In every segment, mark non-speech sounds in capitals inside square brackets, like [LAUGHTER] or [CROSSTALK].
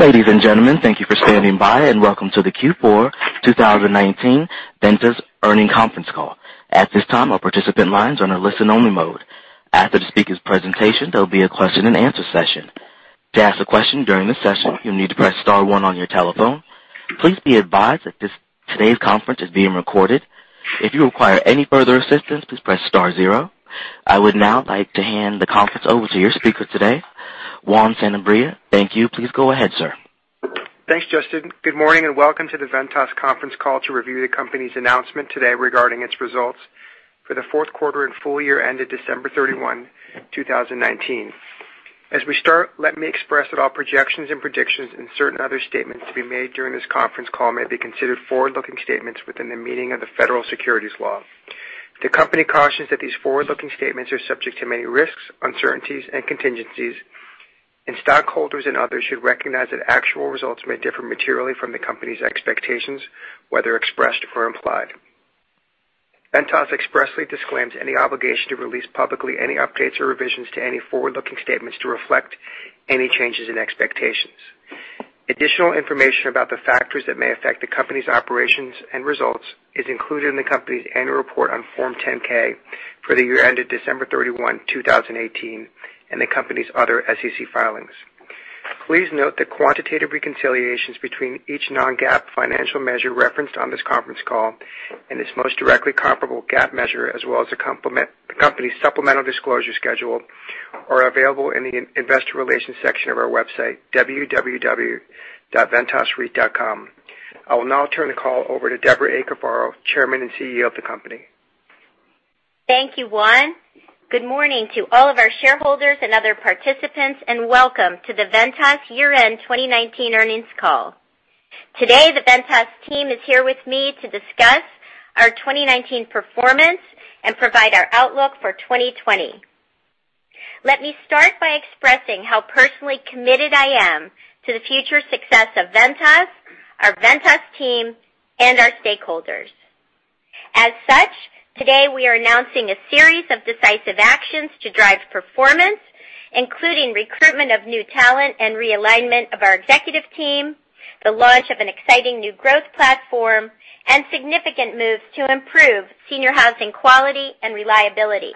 Ladies and gentlemen, thank you for standing by, and welcome to the Q4 2019 Ventas Earnings Conference Call. At this time, all participant lines are on a listen-only mode. After the speaker's presentation, there will be a question and answer session. To ask a question during the session, you will need to press star one on your telephone. Please be advised that today's conference is being recorded. If you require any further assistance, please press star zero. I would now like to hand the conference over to your speaker today, Juan Sanabria. Thank you. Please go ahead, sir. Thanks, Justin. Good morning, and welcome to the Ventas conference call to review the company's announcement today regarding its results for the fourth quarter and full year ended December 31, 2019. As we start, let me express that all projections and predictions and certain other statements to be made during this conference call may be considered forward-looking statements within the meaning of the Federal Securities Law. The company cautions that these forward-looking statements are subject to many risks, uncertainties, and contingencies, and stockholders and others should recognize that actual results may differ materially from the company's expectations, whether expressed or implied. Ventas expressly disclaims any obligation to release publicly any updates or revisions to any forward-looking statements to reflect any changes in expectations. Additional information about the factors that may affect the company's operations and results is included in the company's annual report on Form 10-K for the year ended December 31, 2018, and the company's other SEC filings. Please note that quantitative reconciliations between each non-GAAP financial measure referenced on this conference call and its most directly comparable GAAP measure, as well as the company's supplemental disclosure schedule, are available in the investor relations section of our website, www.ventasreit.com. I will now turn the call over to Debra A. Cafaro, Chairman and CEO of the company. Thank you, Juan. Good morning to all of our shareholders and other participants, and welcome to the Ventas year-end 2019 earnings call. Today, the Ventas team is here with me to discuss our 2019 performance and provide our outlook for 2020. Let me start by expressing how personally committed I am to the future success of Ventas, our Ventas team, and our stakeholders. As such, today we are announcing a series of decisive actions to drive performance, including recruitment of new talent and realignment of our executive team, the launch of an exciting new growth platform, and significant moves to improve senior housing quality and reliability.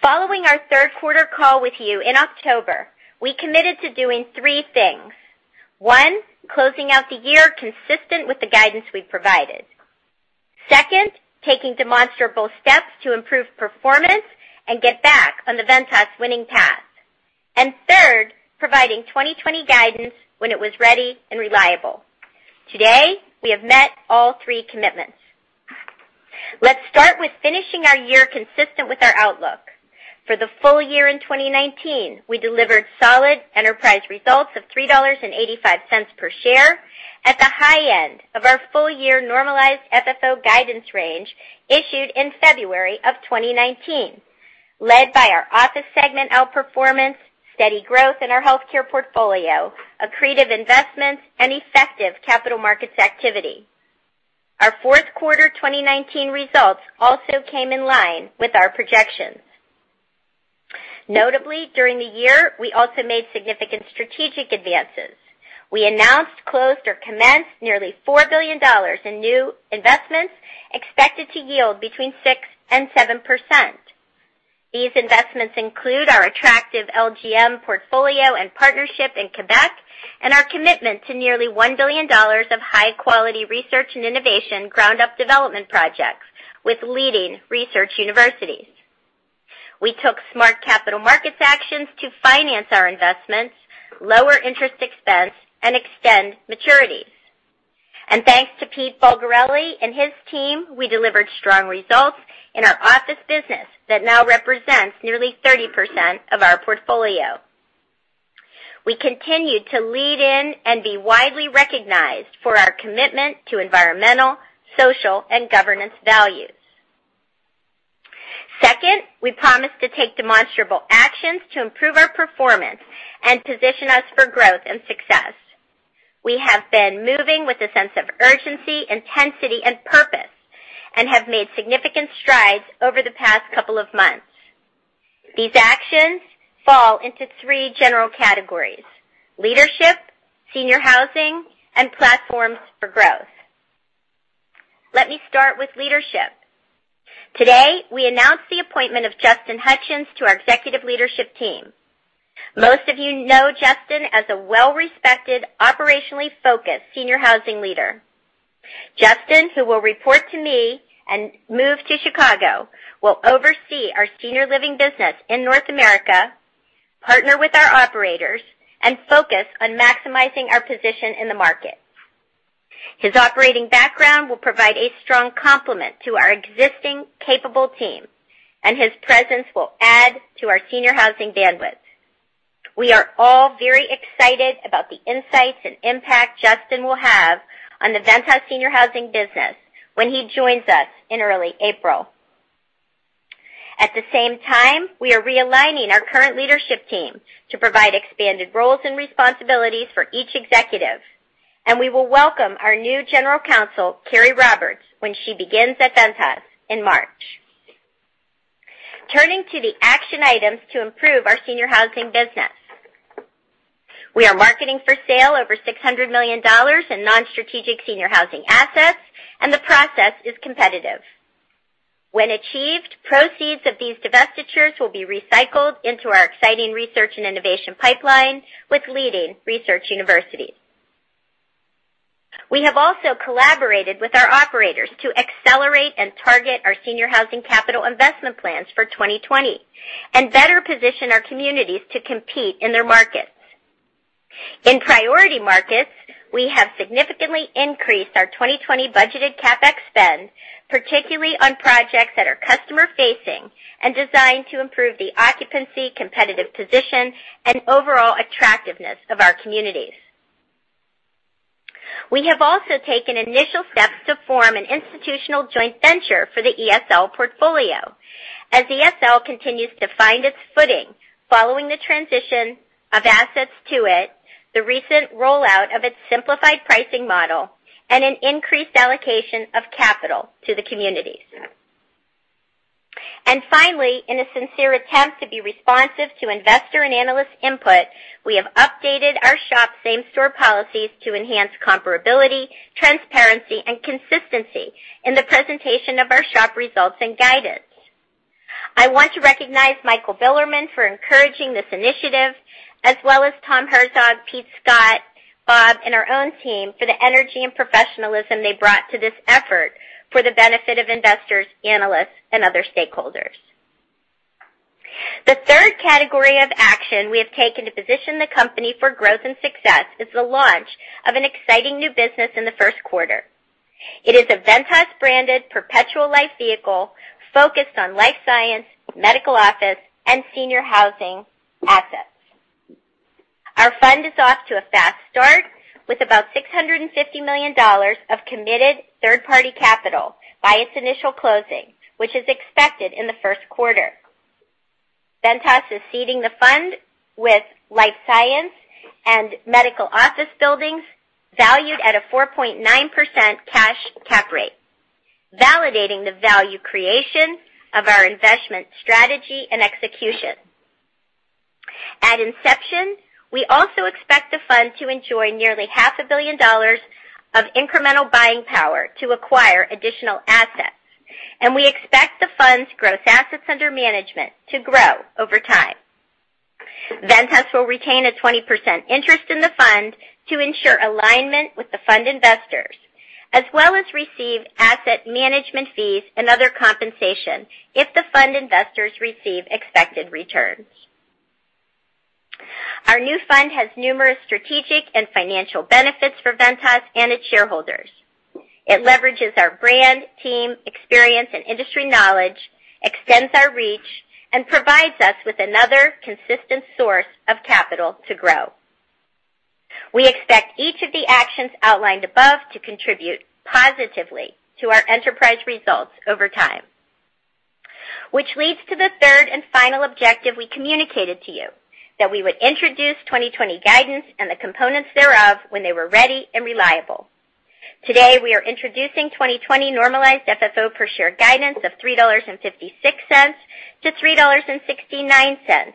Following our third-quarter call with you in October, we committed to doing three things. One, closing out the year consistent with the guidance we provided. Second, taking demonstrable steps to improve performance and get back on the Ventas winning path. Third, providing 2020 guidance when it was ready and reliable. Today, we have met all three commitments. Let's start with finishing our year consistent with our outlook. For the full year in 2019, we delivered solid enterprise results of $3.85 per share at the high end of our full-year normalized funds from operations guidance range issued in February of 2019, led by our office segment outperformance, steady growth in our healthcare portfolio, accretive investments, and effective capital markets activity. Our fourth quarter 2019 results also came in line with our projections. Notably, during the year, we also made significant strategic advances. We announced, closed, or commenced nearly $4 billion in new investments expected to yield between 6% and 7%. These investments include our attractive Le Groupe Maurice portfolio and partnership in Quebec and our commitment to nearly $1 billion of high-quality R&I ground-up development projects with leading research universities. We took smart capital markets actions to finance our investments, lower interest expense, and extend maturities. Thanks to Pete Bulgarelli and his team, we delivered strong results in our office business that now represents nearly 30% of our portfolio. We continued to lead in and be widely recognized for our commitment to environmental, social, and governance values. Second, we promised to take demonstrable actions to improve our performance and position us for growth and success. We have been moving with a sense of urgency, intensity, and purpose and have made significant strides over the past couple of months. These actions fall into three general categories: leadership, senior housing, and platforms for growth. Let me start with leadership. Today, we announce the appointment of Justin Hutchens to our executive leadership team. Most of you know Justin as a well-respected, operationally focused senior housing leader. Justin, who will report to me and move to Chicago, will oversee our senior living business in North America, partner with our operators, and focus on maximizing our position in the market. His operating background will provide a strong complement to our existing capable team, and his presence will add to our senior housing bandwidth. We are all very excited about the insights and impact Justin will have on the Ventas senior housing business when he joins us in early April. At the same time, we are realigning our current leadership team to provide expanded roles and responsibilities for each executive. We will welcome our new General Counsel, Carey Roberts, when she begins at Ventas in March. Turning to the action items to improve our senior housing business. We are marketing for sale over $600 million in non-strategic senior housing assets, and the process is competitive. When achieved, proceeds of these divestitures will be recycled into our exciting research and innovation pipeline with leading research universities. We have also collaborated with our operators to accelerate and target our senior housing capital investment plans for 2020 and better position our communities to compete in their markets. In priority markets, we have significantly increased our 2020 budgeted CapEx spend, particularly on projects that are customer-facing and designed to improve the occupancy, competitive position, and overall attractiveness of our communities. We have also taken initial steps to form an institutional joint venture for the ESL portfolio, as Eclipse Senior Livin continues to find its footing following the transition of assets to it, the recent rollout of its simplified pricing model, and an increased allocation of capital to the communities. Finally, in a sincere attempt to be responsive to investor and analyst input, we have updated our senior housing operating portfolio same-store policies to enhance comparability, transparency, and consistency in the presentation of our SHOP results and guidance. I want to recognize Michael Bilerman for encouraging this initiative, as well as Tom Herzog, Pete Scott, Bob, and our own team for the energy and professionalism they brought to this effort for the benefit of investors, analysts, and other stakeholders. The third category of action we have taken to position the company for growth and success is the launch of an exciting new business in the first quarter. It is a Ventas-branded perpetual life vehicle focused on life science, medical office, and senior housing assets. Our fund is off to a fast start, with about $650 million of committed third-party capital by its initial closing, which is expected in the first quarter. Ventas is seeding the fund with life science and medical office buildings valued at a 4.9% cash cap rate, validating the value creation of our investment strategy and execution. At inception, we also expect the fund to enjoy nearly half a billion dollars of incremental buying power to acquire additional assets, and we expect the fund's gross assets under management to grow over time. Ventas will retain a 20% interest in the fund to ensure alignment with the fund investors as well as receive asset management fees and other compensation if the fund investors receive expected returns. Our new fund has numerous strategic and financial benefits for Ventas and its shareholders. It leverages our brand, team experience, and industry knowledge, extends our reach, and provides us with another consistent source of capital to grow. We expect each of the actions outlined above to contribute positively to our enterprise results over time. This leads to the third and final objective we communicated to you, that we would introduce 2020 guidance and the components thereof when they were ready and reliable. Today, we are introducing 2020 normalized FFO per share guidance of $3.56-$3.69.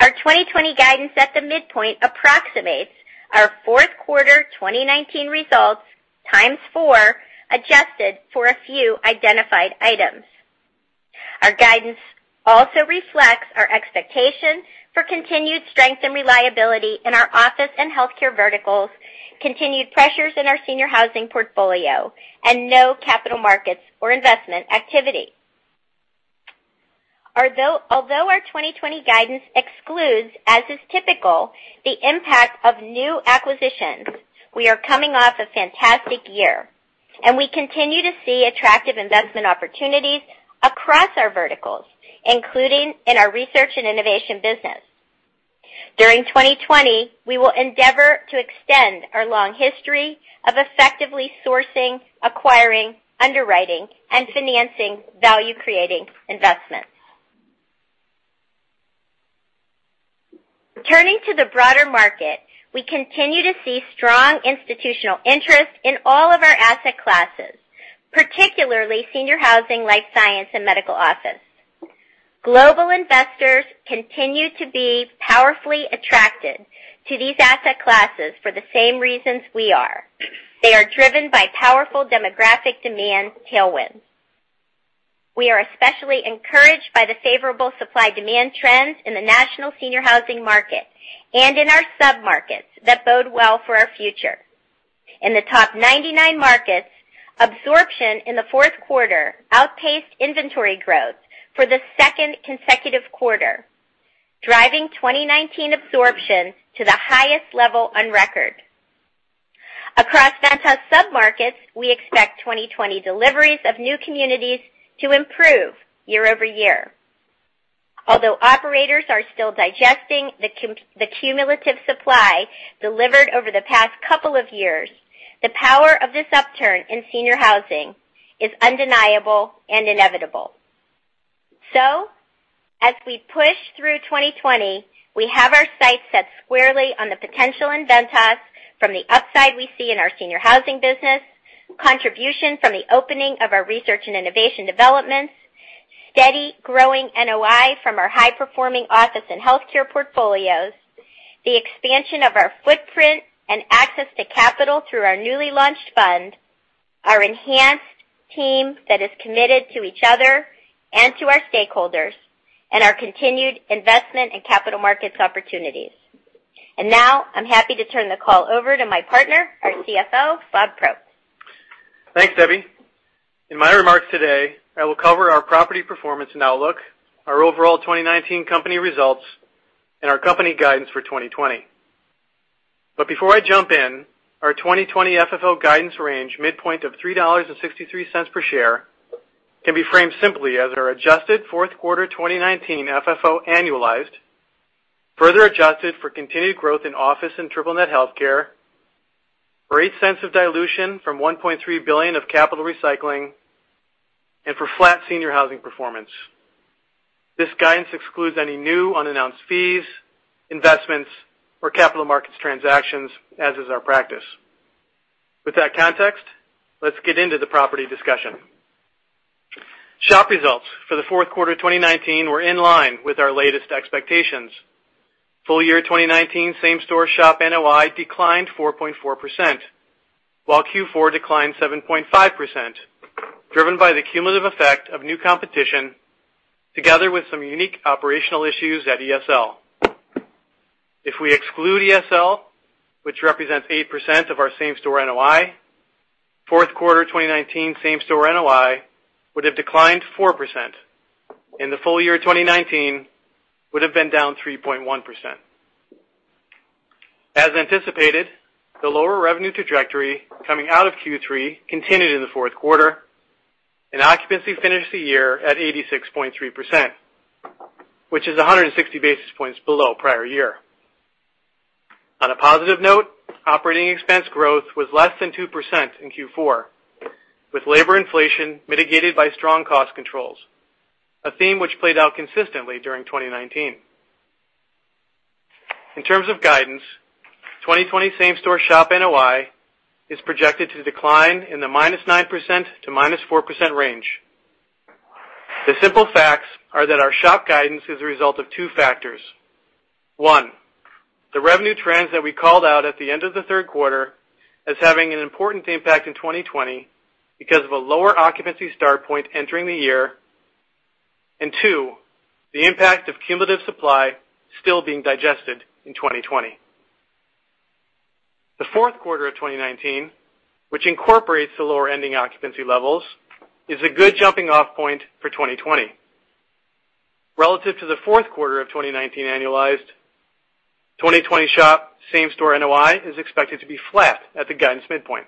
Our 2020 guidance at the midpoint approximates our fourth quarter 2019 results, times four, adjusted for a few identified items. Our guidance also reflects our expectation for continued strength and reliability in our office and healthcare verticals, continued pressures in our senior housing portfolio, and no capital markets or investment activity. Although our 2020 guidance excludes, as is typical, the impact of new acquisitions, we are coming off a fantastic year, and we continue to see attractive investment opportunities across our verticals, including in our research and innovation business. During 2020, we will endeavor to extend our long history of effectively sourcing, acquiring, underwriting, and financing value-creating investments. Turning to the broader market, we continue to see strong institutional interest in all of our asset classes, particularly senior housing, life science, and medical office. Global investors continue to be powerfully attracted to these asset classes for the same reasons we are. They are driven by powerful demographic demand tailwinds. We are especially encouraged by the favorable supply-demand trends in the national senior housing market and in our submarkets that bode well for our future. In the top 99 markets, absorption in the fourth quarter outpaced inventory growth for the second consecutive quarter, driving 2019 absorption to the highest level on record. Across Ventas submarkets, we expect 2020 deliveries of new communities to improve year-over-year. Although operators are still digesting the cumulative supply delivered over the past couple of years, the power of this upturn in senior housing is undeniable and inevitable. As we push through 2020, we have our sights set squarely on the potential in Ventas from the upside we see in our senior housing business, contribution from the opening of our research and innovation developments, steady growing net operating income from our high-performing office and healthcare portfolios, the expansion of our footprint and access to capital through our newly launched fund, our enhanced team that is committed to each other and to our stakeholders, and our continued investment in capital markets opportunities. Now I'm happy to turn the call over to my partner, our CFO, Bob Probst. Thanks, Debra. In my remarks today, I will cover our property performance and outlook, our overall 2019 company results, and our company guidance for 2020. Before I jump in, our 2020 FFO guidance range midpoint of $3.63 per share can be framed simply as our adjusted fourth quarter 2019 FFO annualized, further adjusted for continued growth in office and triple net healthcare, for $0.08 of dilution from $1.3 billion of capital recycling, and for flat senior housing performance. This guidance excludes any new unannounced fees, investments, or capital markets transactions, as is our practice. With that context, let's get into the property discussion. SHOP results for the fourth quarter 2019 were in line with our latest expectations. Full year 2019 same store SHOP NOI declined 4.4%, while Q4 declined 7.5%, driven by the cumulative effect of new competition together with some unique operational issues at ESL. If we exclude ESL, which represents 8% of our same store NOI, fourth quarter 2019 same store NOI would have declined 4%, and the full year 2019 would have been down 3.1%. As anticipated, the lower revenue trajectory coming out of Q3 continued in the fourth quarter, and occupancy finished the year at 86.3%, which is 160 basis points below prior year. On a positive note, operating expense growth was less than 2% in Q4, with labor inflation mitigated by strong cost controls, a theme which played out consistently during 2019. In terms of guidance, 2020 same store SHOP NOI is projected to decline in the minus 9% to minus 4% range. The simple facts are that our SHOP guidance is a result of two factors. One, the revenue trends that we called out at the end of the third quarter as having an important impact in 2020 because of a lower occupancy start point entering the year. Two, the impact of cumulative supply still being digested in 2020. The fourth quarter of 2019, which incorporates the lower ending occupancy levels, is a good jumping-off point for 2020. Relative to the fourth quarter of 2019 annualized, 2020 SHOP same store NOI is expected to be flat at the guidance midpoint.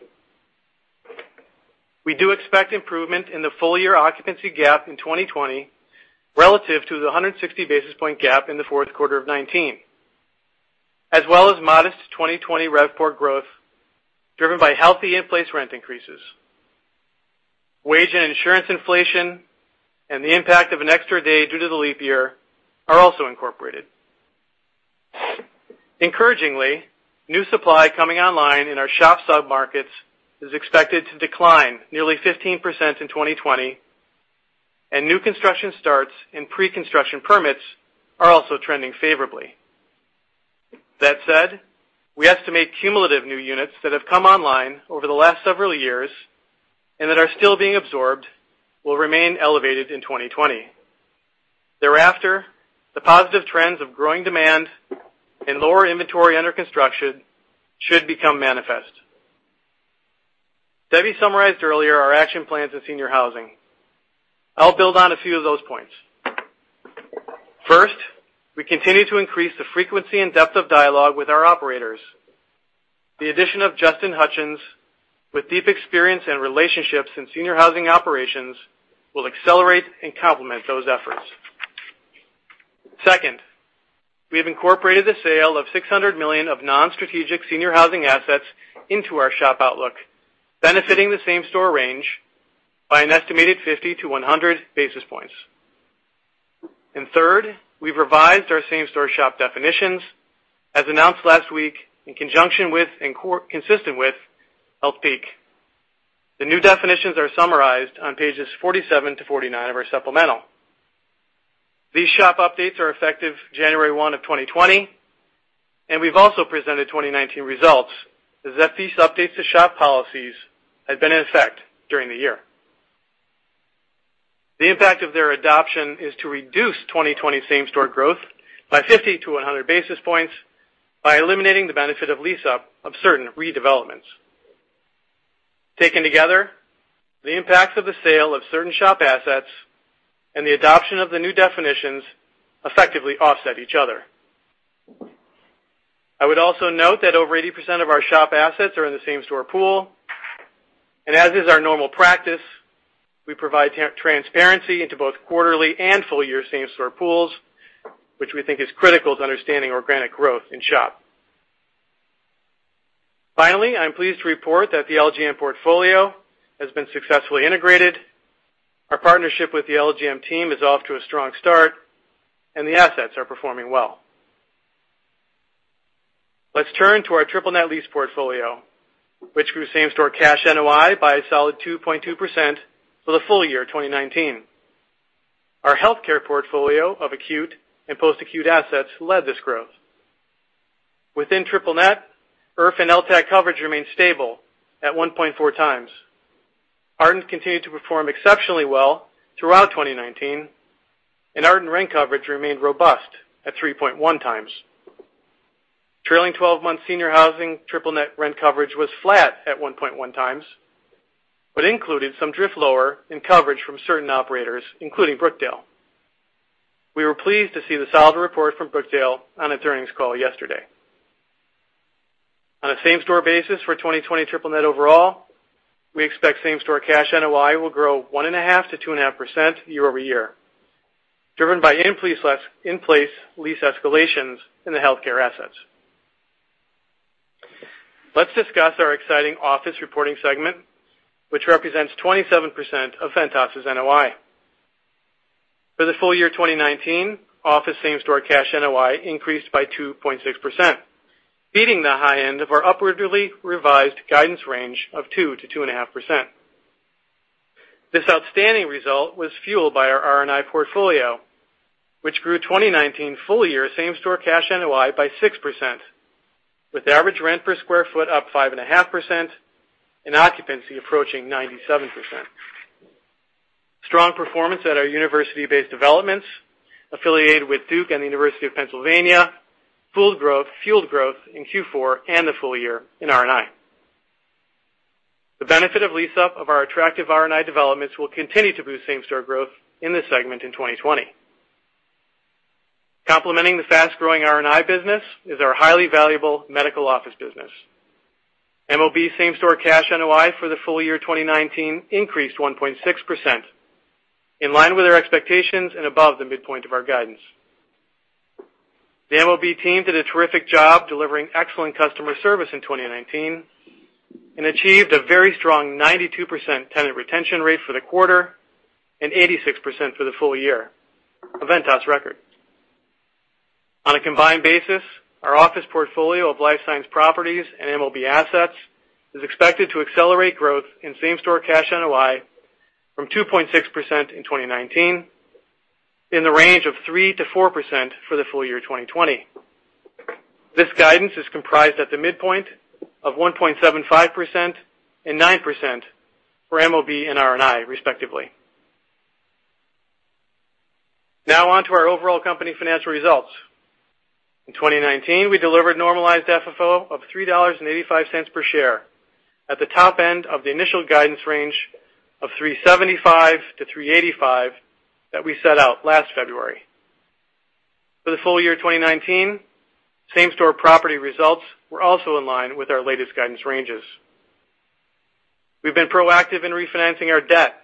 We do expect improvement in the full-year occupancy gap in 2020 relative to the 160 basis point gap in the fourth quarter of 2019, as well as modest 2020 revenue per occupied room growth driven by healthy in-place rent increases. Wage and insurance inflation and the impact of an extra day due to the leap year are also incorporated. Encouragingly, new supply coming online in our SHOP sub-markets is expected to decline nearly 15% in 2020. New construction starts and pre-construction permits are also trending favorably. That said, we estimate cumulative new units that have come online over the last several years and that are still being absorbed will remain elevated in 2020. Thereafter, the positive trends of growing demand and lower inventory under construction should become manifest. Debra summarized earlier our action plans in senior housing. I'll build on a few of those points. First, we continue to increase the frequency and depth of dialogue with our operators. The addition of Justin Hutchens with deep experience and relationships in senior housing operations will accelerate and complement those efforts. Second, we have incorporated the sale of $600 million of non-strategic senior housing assets into our SHOP outlook, benefiting the same store range by an estimated 50 basis points-100 basis points. Third, we've revised our same store SHOP definitions as announced last week in conjunction with and consistent with Healthpeak. The new definitions are summarized on pages 47-49 of our supplemental. These SHOP updates are effective January 1 of 2020, and we've also presented 2019 results as if these updates to SHOP policies had been in effect during the year. The impact of their adoption is to reduce 2020 same-store growth by 50 basis points-100 basis points by eliminating the benefit of lease-up of certain redevelopments. Taken together, the impacts of the sale of certain SHOP assets and the adoption of the new definitions effectively offset each other. I would also note that over 80% of our SHOP assets are in the same store pool, and as is our normal practice, we provide transparency into both quarterly and full-year same store pools, which we think is critical to understanding organic growth in SHOP. Finally, I'm pleased to report that the LGM portfolio has been successfully integrated. Our partnership with the LGM team is off to a strong start, and the assets are performing well. Let's turn to our triple net lease portfolio, which grew same-store cash NOI by a solid 2.2% for the full year 2019. Our healthcare portfolio of acute and post-acute assets led this growth. Within triple net, inpatient rehabilitation facility and long-term acute care coverage remained stable at 1.4x. Ardent continued to perform exceptionally well throughout 2019, and Ardent rent coverage remained robust at 3.1x. Trailing 12 months senior housing triple-net rent coverage was flat at 1.1x. Included some drift lower in coverage from certain operators, including Brookdale. We were pleased to see the solid report from Brookdale on its earnings call yesterday. On a same-store basis for 2020 triple-net overall, we expect same-store cash NOI will grow 1.5%-2.5% year-over-year, driven by in-place lease escalations in the healthcare assets. Let's discuss our exciting office reporting segment, which represents 27% of Ventas' NOI. For the full year 2019, office same store cash NOI increased by 2.6%, beating the high end of our upwardly revised guidance range of 2%-2.5%. This outstanding result was fueled by our R&I portfolio, which grew 2019 full-year same-store cash NOI by 6%, with average rent per square feet up 5.5% and occupancy approaching 97%. Strong performance at our university-based developments affiliated with Duke and the University of Pennsylvania fueled growth in Q4 and the full year in R&I. The benefit of lease-up of our attractive R&I developments will continue to boost same-store growth in this segment in 2020. Complementing the fast-growing R&I business is our highly valuable medical office business. Medical office building same-store cash NOI for the full year 2019 increased 1.6%, in line with our expectations and above the midpoint of our guidance. The MOB team did a terrific job delivering excellent customer service in 2019 and achieved a very strong 92% tenant retention rate for the quarter and 86% for the full year, a Ventas record. On a combined basis, our office portfolio of life science properties and MOB assets is expected to accelerate growth in same-store cash NOI from 2.6% in 2019 in the range of 3%-4% for the full year 2020. This guidance is comprised at the midpoint of 1.75% and 9% for MOB and R&I, respectively. On to our overall company financial results. In 2019, we delivered normalized FFO of $3.85 per share at the top end of the initial guidance range of $3.75-$3.85 that we set out last February. For the full year 2019, same-store property results were also in line with our latest guidance ranges. We've been proactive in refinancing our debt.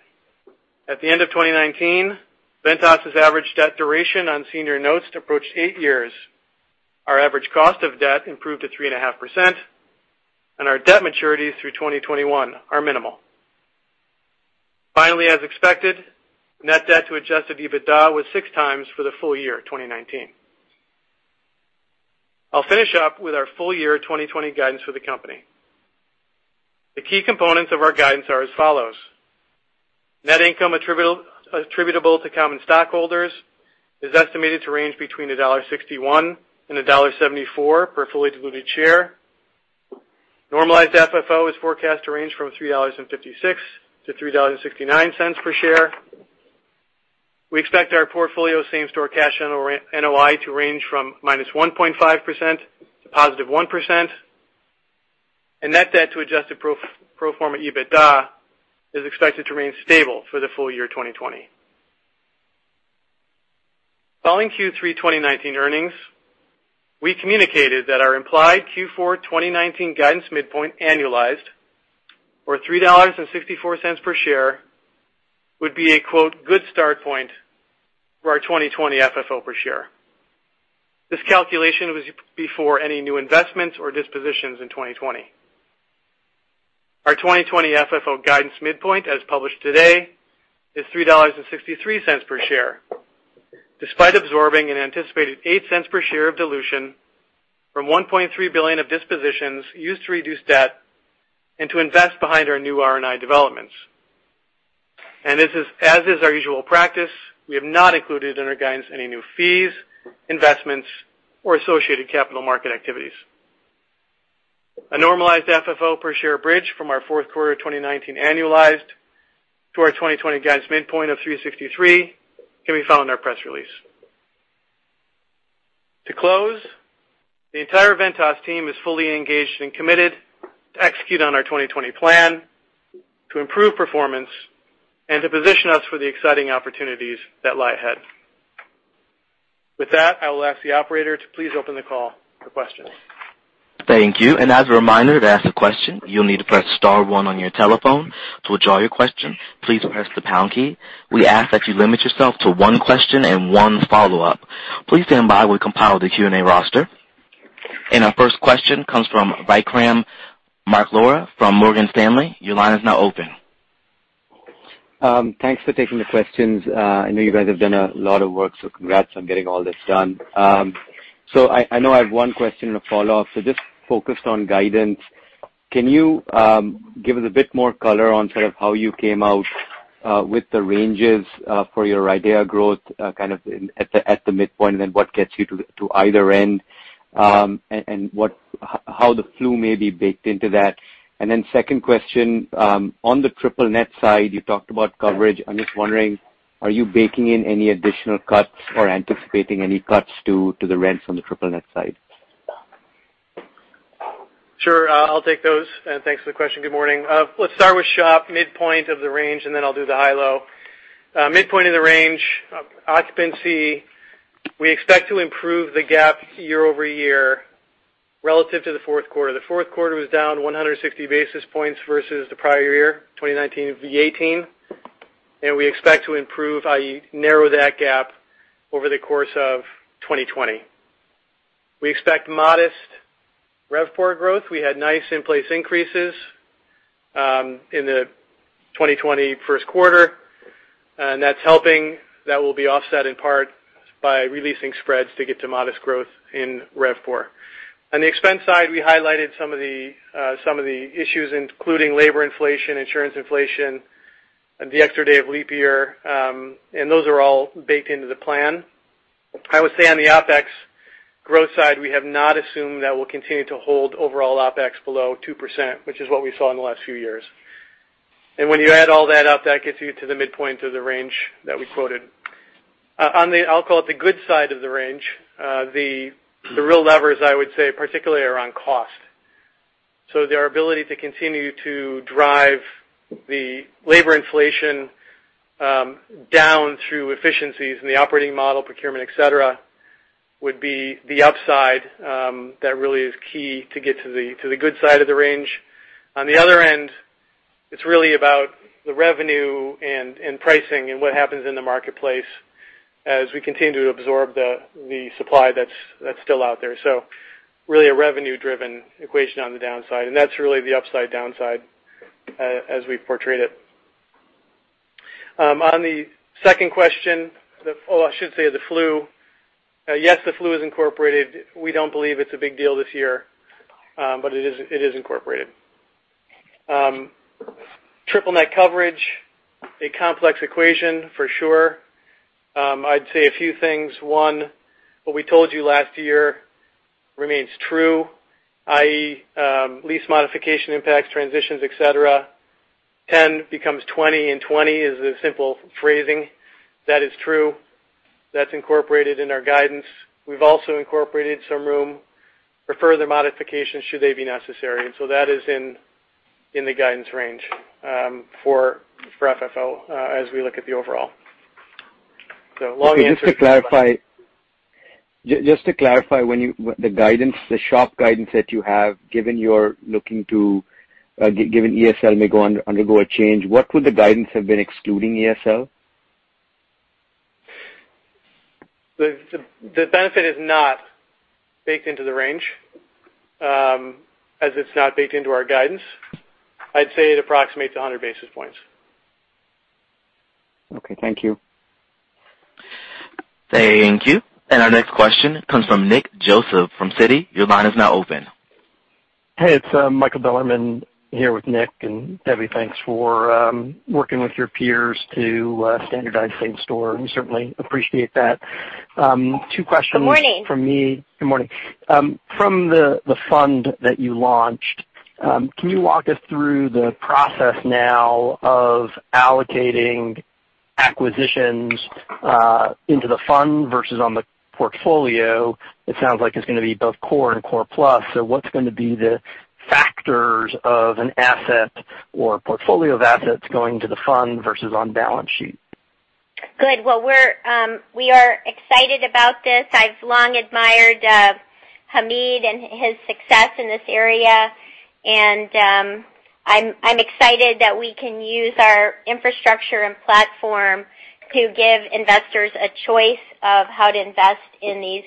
At the end of 2019, Ventas' average debt duration on senior notes approached eight years. Our average cost of debt improved to 3.5%, and our debt maturities through 2021 are minimal. Finally, as expected, net debt to adjusted EBITDA was six times for the full year 2019. I'll finish up with our full year 2020 guidance for the company. The key components of our guidance are as follows. Net income attributable to common stockholders is estimated to range between $1.61 and $1.74 per fully diluted share. Normalized FFO is forecast to range from $3.56-$3.69 per share. We expect our portfolio same-store cash NOI to range from -1.5% to +1%, and net debt to adjusted pro forma EBITDA is expected to remain stable for the full year 2020. Following Q3 2019 earnings, we communicated that our implied Q4 2019 guidance midpoint annualized for $3.64 per share would be a, quote, "good start point for our 2020 FFO per share." This calculation was before any new investments or dispositions in 2020. Our 2020 FFO guidance midpoint, as published today, is $3.63 per share, despite absorbing an anticipated $0.08 per share of dilution from $1.3 billion of dispositions used to reduce debt and to invest behind our new R&I developments. As is our usual practice, we have not included in our guidance any new fees, investments, or associated capital market activities. A normalized FFO per share bridge from our fourth quarter 2019 annualized to our 2020 guidance midpoint of $3.63 can be found in our press release. To close, the entire Ventas team is fully engaged and committed to execute on our 2020 plan, to improve performance, and to position us for the exciting opportunities that lie ahead. With that, I will ask the operator to please open the call for questions. Thank you. As a reminder, to ask a question, you'll need to press star one on your telephone. To withdraw your question, please press the pound key. We ask that you limit yourself to one question and one follow-up. Please stand by while we compile the Q&A roster. Our first question comes from Vikram Malhotra from Morgan Stanley. Your line is now open. Thanks for taking the questions. I know you guys have done a lot of work, congrats on getting all this done. I know I have one question and a follow-up. Just focused on guidance, can you give us a bit more color on how you came out with the ranges for your EBITDA growth at the midpoint, what gets you to either end, and how the flu may be baked into that? Second question, on the triple net side, you talked about coverage. I'm just wondering, are you baking in any additional cuts or anticipating any cuts to the rents on the triple net side? Sure. I'll take those. Thanks for the question. Good morning. Let's start with SHOP, midpoint of the range, and then I'll do the high-low. Midpoint of the range, occupancy, we expect to improve the gap year-over-year relative to the fourth quarter. The fourth quarter was down 160 basis points versus the prior year, 2019 v. 2018, and we expect to improve, i.e. narrow that gap, over the course of 2020. We expect modest RevPOR growth. We had nice in-place increases in the 2020 first quarter, and that's helping. That will be offset in part by releasing spreads to get to modest growth in RevPOR. On the expense side, we highlighted some of the issues, including labor inflation, insurance inflation, the extra day of leap year, and those are all baked into the plan. I would say on the OpEx growth side, we have not assumed that we'll continue to hold overall OpEx below 2%, which is what we saw in the last few years. When you add all that up, that gets you to the midpoint of the range that we quoted. On the, I'll call it the good side of the range, the real levers, I would say, particularly are on cost. Their ability to continue to drive the labor inflation down through efficiencies in the operating model, procurement, et cetera, would be the upside that really is key to get to the good side of the range. On the other end, it's really about the revenue and pricing and what happens in the marketplace as we continue to absorb the supply that's still out there. Really a revenue-driven equation on the downside, and that's really the upside downside as we portray it. On the second question, I should say the flu. The flu is incorporated. We don't believe it's a big deal this year, but it is incorporated. Triple net coverage, a complex equation for sure. I'd say a few things. One, what we told you last year remains true, i.e., lease modification impacts, transitions, et cetera. 10 becomes 20, and 20 is a simple phrasing. That is true. That's incorporated in our guidance. We've also incorporated some room for further modifications should they be necessary, that is in the guidance range for FFO as we look at the overall. Long answer. Just to clarify the SHOP guidance that you have, given ESL may undergo a change, what would the guidance have been excluding ESL? The benefit is not baked into the range, as it's not baked into our guidance. I'd say it approximates 100 basis points. Okay, thank you. Thank you. Our next question comes from Nick Joseph from Citigroup. Your line is now open. Hey, it's Michael Bilerman here with Nick, and Debra, thanks for working with your peers to standardize same store. We certainly appreciate that. Two questions from me. Good morning. Good morning. From the fund that you launched, can you walk us through the process now of allocating acquisitions into the fund versus on the portfolio? It sounds like it's going to be both core and core plus. What's going to be the factors of an asset or portfolio of assets going to the fund versus on balance sheet? Good. We are excited about this. I've long admired Hamid and his success in this area. I'm excited that we can use our infrastructure and platform to give investors a choice of how to invest in these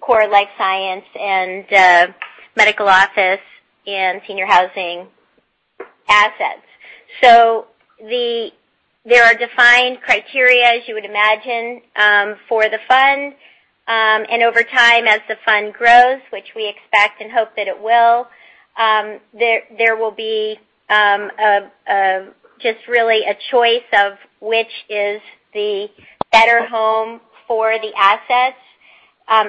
core life science and medical office and senior housing assets. There are defined criteria, as you would imagine, for the fund. Over time as the fund grows, which we expect and hope that it will, there will be just really a choice of which is the better home for the assets,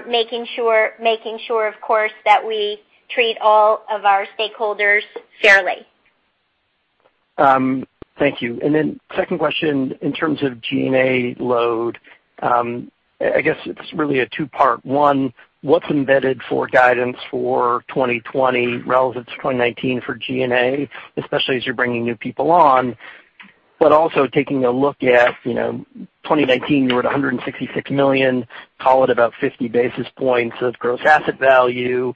making sure of course that we treat all of our stakeholders fairly. Thank you. Second question, in terms of G&A load, I guess it's really a two-part. One, what's embedded for guidance for 2020 relative to 2019 for G&A, especially as you're bringing new people on? Taking a look at 2019, you were at $166 million, call it about 50 basis points of gross asset value.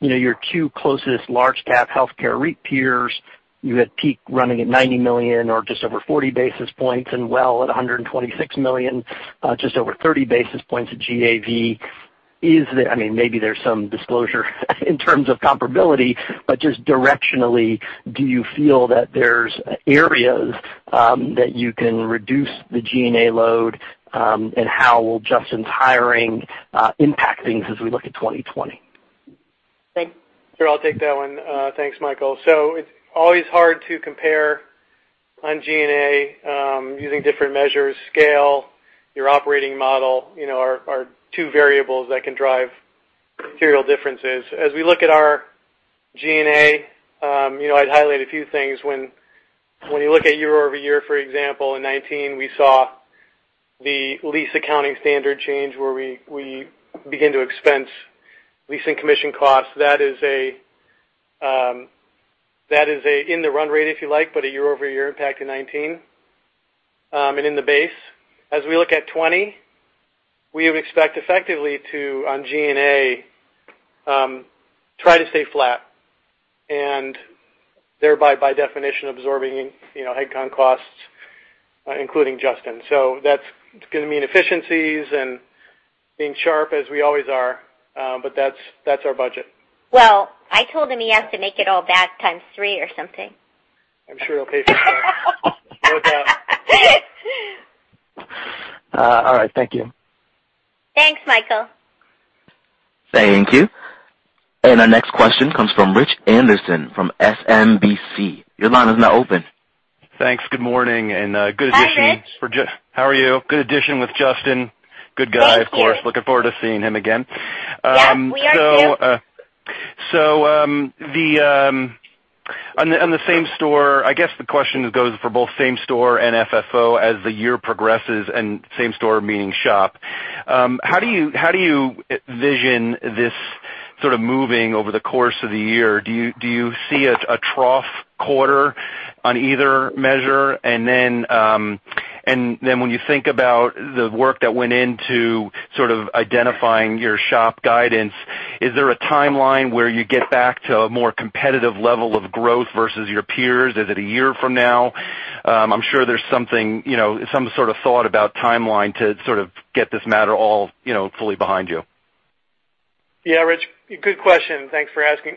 Your two closest large cap healthcare REIT peers, you had Healthpeak running at $90 million or just over 40 basis points and well at $126 million, just over 30 basis points of gross asset value. Maybe there's some disclosure in terms of comparability, but just directionally, do you feel that there's areas that you can reduce the G&A load? How will Justin's hiring impact things as we look at 2020? Sure, I'll take that one. Thanks, Michael. It's always hard to compare on G&A using different measures. Scale, your operating model are two variables that can drive material differences. As we look at our G&A, I'd highlight a few things. When you look at year-over-year, for example, in 2019, we saw the lease accounting standard change where we begin to expense leasing commission costs. That is in the run rate, if you like, but a year-over-year impact in 2019. In the base. As we look at 2020, we would expect effectively to, on G&A, try to stay flat, and thereby by definition absorbing head count costs, including Justin. That's going to mean efficiencies and being sharp as we always are, but that's our budget. Well, I told him he has to make it all back times three or something. I'm sure he'll pay for that. No doubt. All right. Thank you. Thanks, Michael. Thank you. Our next question comes from Rich Anderson from SMBC. Your line is now open. Thanks. Good morning, and good addition. [CROSSTALK] Hi, Rich. How are you? Good addition with Justin. Good guy, of course. Thank you. Looking forward to seeing him again. Yes, we are too. On the same store, I guess the question goes for both same store and FFO as the year progresses and same store meaning SHOP. How do you vision this sort of moving over the course of the year? Do you see a trough quarter on either measure? When you think about the work that went into sort of identifying your SHOP guidance, is there a timeline where you get back to a more competitive level of growth versus your peers? Is it a year from now? I'm sure there's some sort of thought about timeline to sort of get this matter all fully behind you. Yeah, Rich, good question. Thanks for asking.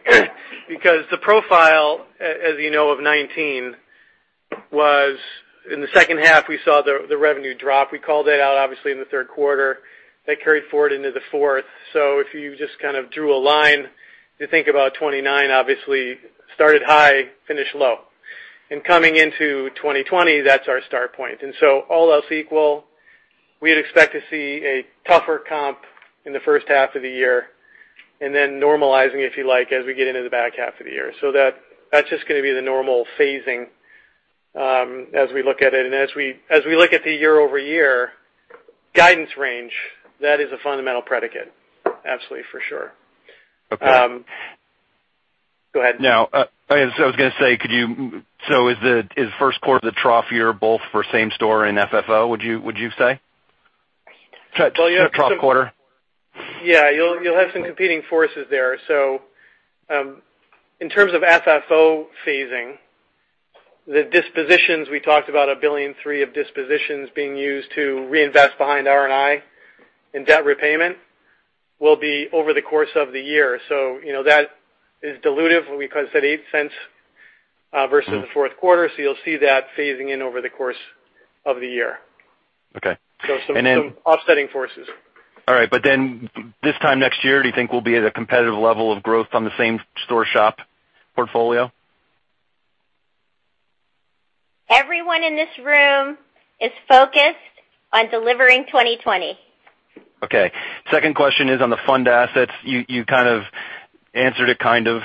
Because the profile, as you know, of 2019 was, in the second half, we saw the revenue drop. We called it out obviously in the third quarter. That carried forward into the fourth. If you just kind of drew a line to think about 2029, obviously started high, finished low. Coming into 2020, that's our start point. All else equal, we'd expect to see a tougher comp in the first half of the year, then normalizing, if you like, as we get into the back half of the year. That's just going to be the normal phasing, as we look at it. As we look at the year-over-year guidance range, that is a fundamental predicate. Absolutely, for sure. Okay. Go ahead. I was going to say, is first quarter the trough year both for same store and FFO, would you say? Well, you have. The trough quarter? Yeah, you'll have some competing forces there. In terms of FFO phasing, the dispositions, we talked about a $1.3 billion of dispositions being used to reinvest behind R&I and debt repayment, will be over the course of the year. That is dilutive because that $0.08 versus the fourth quarter. You'll see that phasing in over the course of the year. Okay. Some offsetting forces. All right. This time next year, do you think we'll be at a competitive level of growth on the same store SHOP portfolio? Everyone in this room is focused on delivering 2020. Okay. Second question is on the fund assets. You kind of answered it, kind of,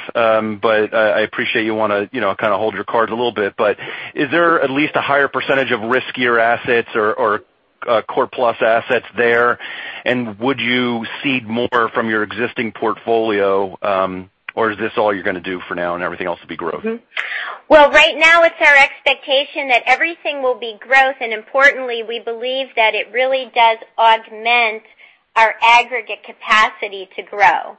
but I appreciate you want to kind of hold your cards a little bit. Is there at least a higher percentage of riskier assets or core plus assets there? Would you seed more from your existing portfolio? Or is this all you're going to do for now and everything else will be growth? Well, right now it's our expectation that everything will be growth. Importantly, we believe that it really does augment our aggregate capacity to grow.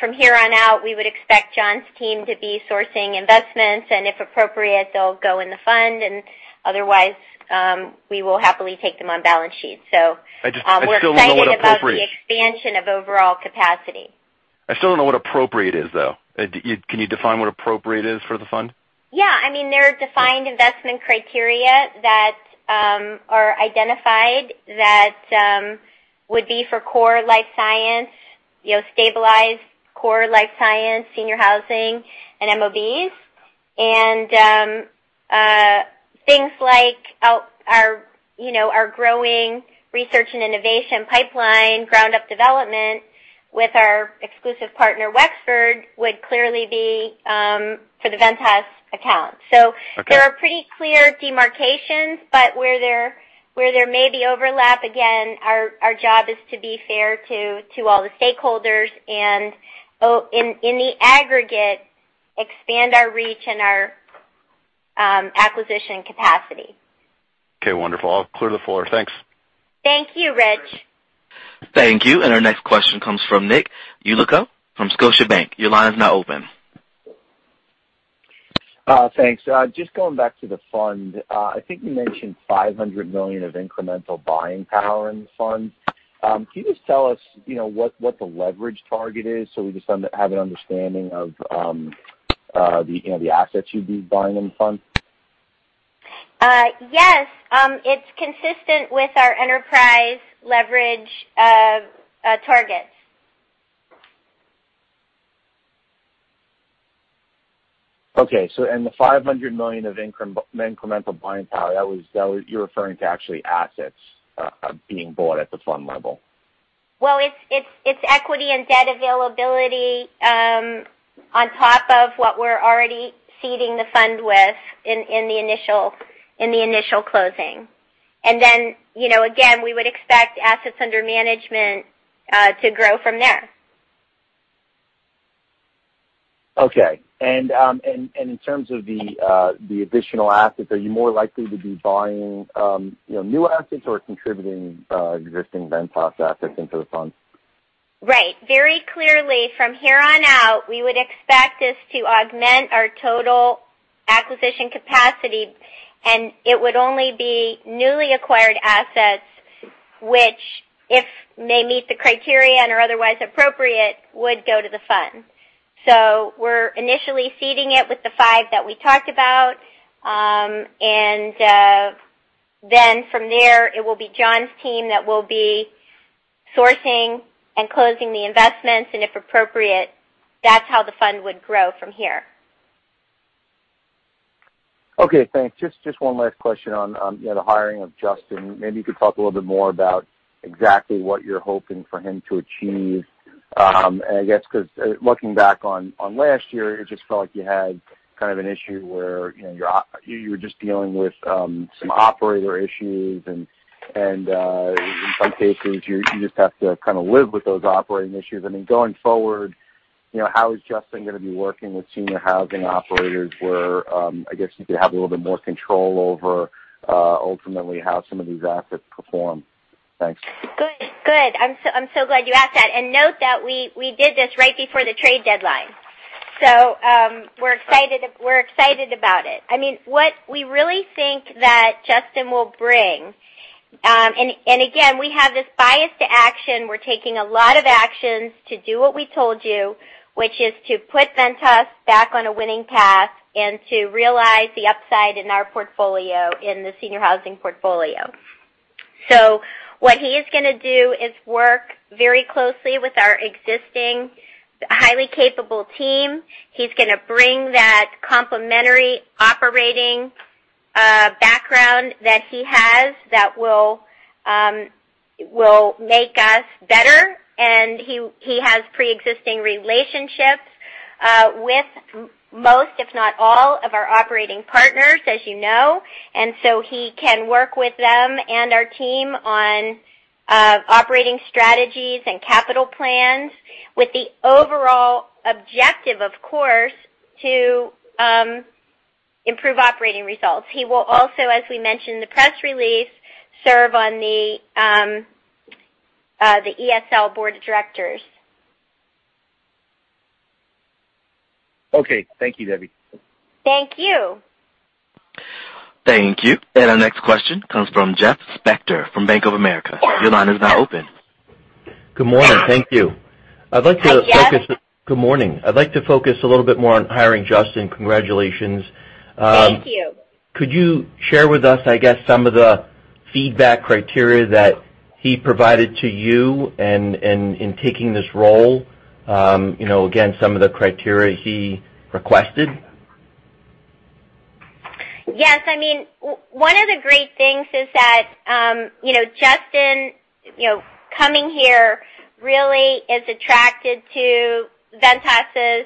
From here on out, we would expect John's team to be sourcing investments, and if appropriate, they'll go in the fund and otherwise, we will happily take them on balance sheet. I just still don't know what. We're excited about the expansion of overall capacity. I still don't know what appropriate is, though. Can you define what appropriate is for the fund? Yeah. There are defined investment criteria that are identified that would be for core life science, stabilized core life science, senior housing, and MOBs. Things like our growing research and innovation pipeline, ground-up development with our exclusive partner, Wexford, would clearly be for the Ventas account. Okay. There are pretty clear demarcations, but where there may be overlap, again, our job is to be fair to all the stakeholders, and in the aggregate, expand our reach and our acquisition capacity. Okay, wonderful. I'll clear the floor. Thanks. Thank you, Rich. Thank you. Our next question comes from Nick Yulico from Scotiabank. Your line is now open. Thanks. Just going back to the fund. I think you mentioned $500 million of incremental buying power in the fund. Can you just tell us what the leverage target is so we just have an understanding of the assets you'd be buying in the fund? Yes. It's consistent with our enterprise leverage targets. Okay. The $500 million of incremental buying power, you're referring to actually assets being bought at the fund level? Well, it's equity and debt availability on top of what we're already seeding the fund with in the initial closing. Again, we would expect assets under management to grow from there. Okay. In terms of the additional assets, are you more likely to be buying new assets or contributing existing Ventas assets into the fund? Right. Very clearly from here on out, we would expect this to augment our total acquisition capacity. It would only be newly acquired assets, which, if they meet the criteria and are otherwise appropriate, would go to the fund. We're initially seeding it with the five that we talked about. From there, it will be John's team that will be sourcing and closing the investments, and if appropriate, that's how the fund would grow from here. Okay, thanks. Just one last question on the hiring of Justin. Maybe you could talk a little bit more about exactly what you're hoping for him to achieve. I guess, looking back on last year, it just felt like you had an issue where you were just dealing with some operator issues, and in some cases, you just have to kind of live with those operating issues. Going forward, how is Justin going to be working with senior housing operators where, I guess, you could have a little bit more control over ultimately how some of these assets perform? Thanks. Good. I'm so glad you asked that. Note that we did this right before the trade deadline. We're excited about it. What we really think that Justin will bring, and again, we have this bias to action. We're taking a lot of actions to do what we told you, which is to put Ventas back on a winning path and to realize the upside in our portfolio, in the senior housing portfolio. What he is going to do is work very closely with our existing highly capable team. He's going to bring that complementary operating background that he has that will make us better. He has pre-existing relationships with most, if not all, of our operating partners, as you know. He can work with them and our team on operating strategies and capital plans with the overall objective, of course, to improve operating results. He will also, as we mentioned in the press release, serve on the ESL board of directors. Okay. Thank you, Debra. Thank you. Thank you. Our next question comes from Jeff Spector from Bank of America. Your line is now open. Good morning. Thank you. Hi, Jeff. Good morning. I'd like to focus a little bit more on hiring Justin. Congratulations. Thank you. Could you share with us, I guess, some of the feedback criteria that he provided to you in taking this role, again, some of the criteria he requested? Yes. One of the great things is that Justin coming here really is attracted to Ventas'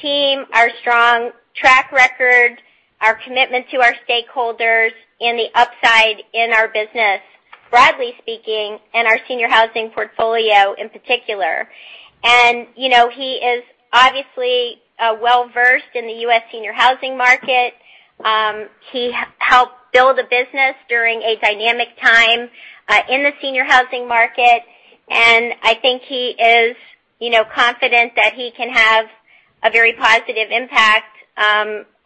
team, our strong track record, our commitment to our stakeholders, and the upside in our business, broadly speaking, and our senior housing portfolio in particular. He is obviously well-versed in the U.S. senior housing market. I think he is confident that he can have a very positive impact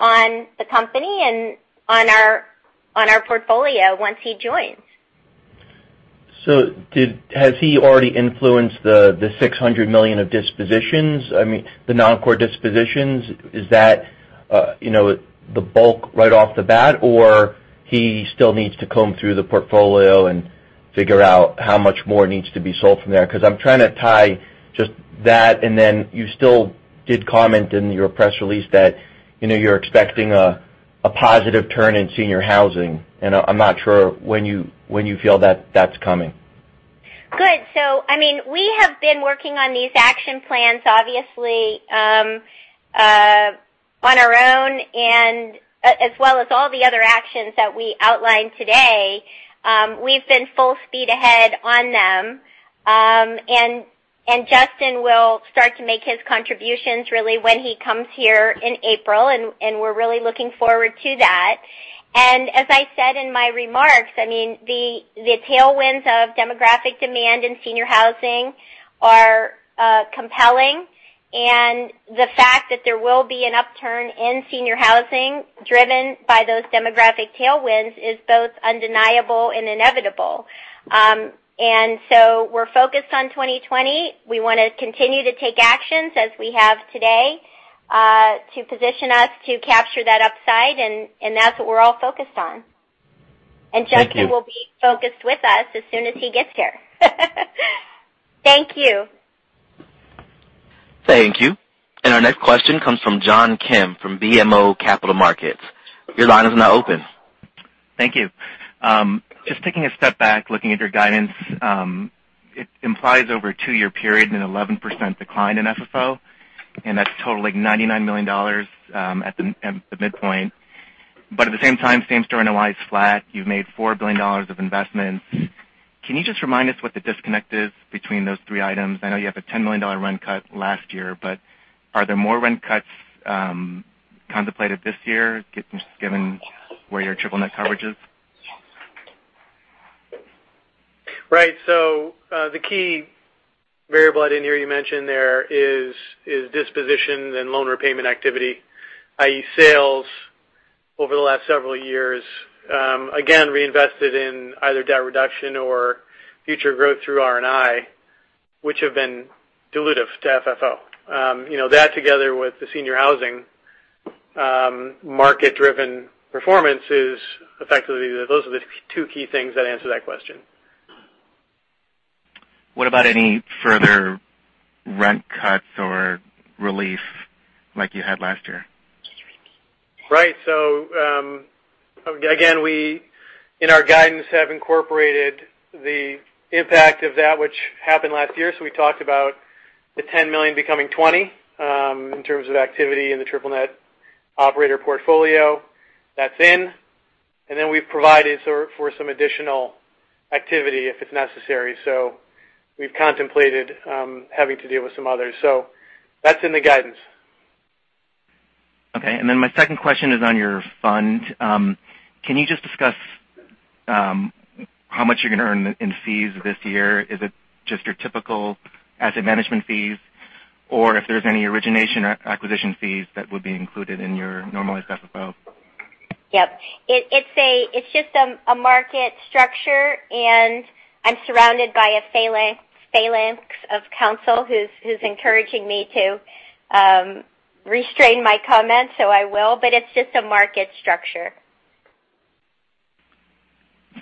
on the company and on our portfolio once he joins. Has he already influenced the $600 million of dispositions? I mean, the non-core dispositions, is that the bulk right off the bat, or he still needs to comb through the portfolio and figure out how much more needs to be sold from there? I'm trying to tie just that, and then you still did comment in your press release that you're expecting a positive turn in senior housing. I'm not sure when you feel that that's coming. Good. We have been working on these action plans, obviously, on our own and as well as all the other actions that we outlined today. We've been full speed ahead on them. Justin will start to make his contributions really when he comes here in April, and we're really looking forward to that. As I said in my remarks, the tailwinds of demographic demand in senior housing are compelling, and the fact that there will be an upturn in senior housing driven by those demographic tailwinds is both undeniable and inevitable. We are focused on 2020. We want to continue to take actions as we have today, to position us to capture that upside, and that's what we're all focused on. Thank you. Justin will be focused with us as soon as he gets here. Thank you. Thank you. Our next question comes from John Kim from BMO Capital Markets. Your line is now open. Thank you. Just taking a step back, looking at your guidance, it implies over a two-year period an 11% decline in FFO, and that's totaling $99 million at the midpoint. At the same time, same-store NOI is flat. You've made $4 billion of investments. Can you just remind us what the disconnect is between those three items? I know you have a $10 million rent cut last year, but are there more rent cuts contemplated this year, given where your triple net coverage is? Right. The key variable I didn't hear you mention there is disposition and loan repayment activity, i.e., sales over the last several years, again, reinvested in either debt reduction or future growth through R&I, which have been dilutive to FFO. That together with the senior housing market-driven performance is effectively, those are the two key things that answer that question. What about any further rent cuts or relief like you had last year? Right. Again, we, in our guidance, have incorporated the impact of that which happened last year. We talked about the $10 million becoming $20 million, in terms of activity in the triple net operator portfolio. That's in. Then we've provided for some additional activity if it's necessary. We've contemplated having to deal with some others. That's in the guidance. My second question is on your fund. Can you just discuss how much you're going to earn in fees this year? Is it just your typical asset management fees, or if there's any origination or acquisition fees that would be included in your normalized FFO? Yep. It's just a market structure, and I'm surrounded by a phalanx of counsel who's encouraging me to restrain my comments, so I will. It's just a market structure.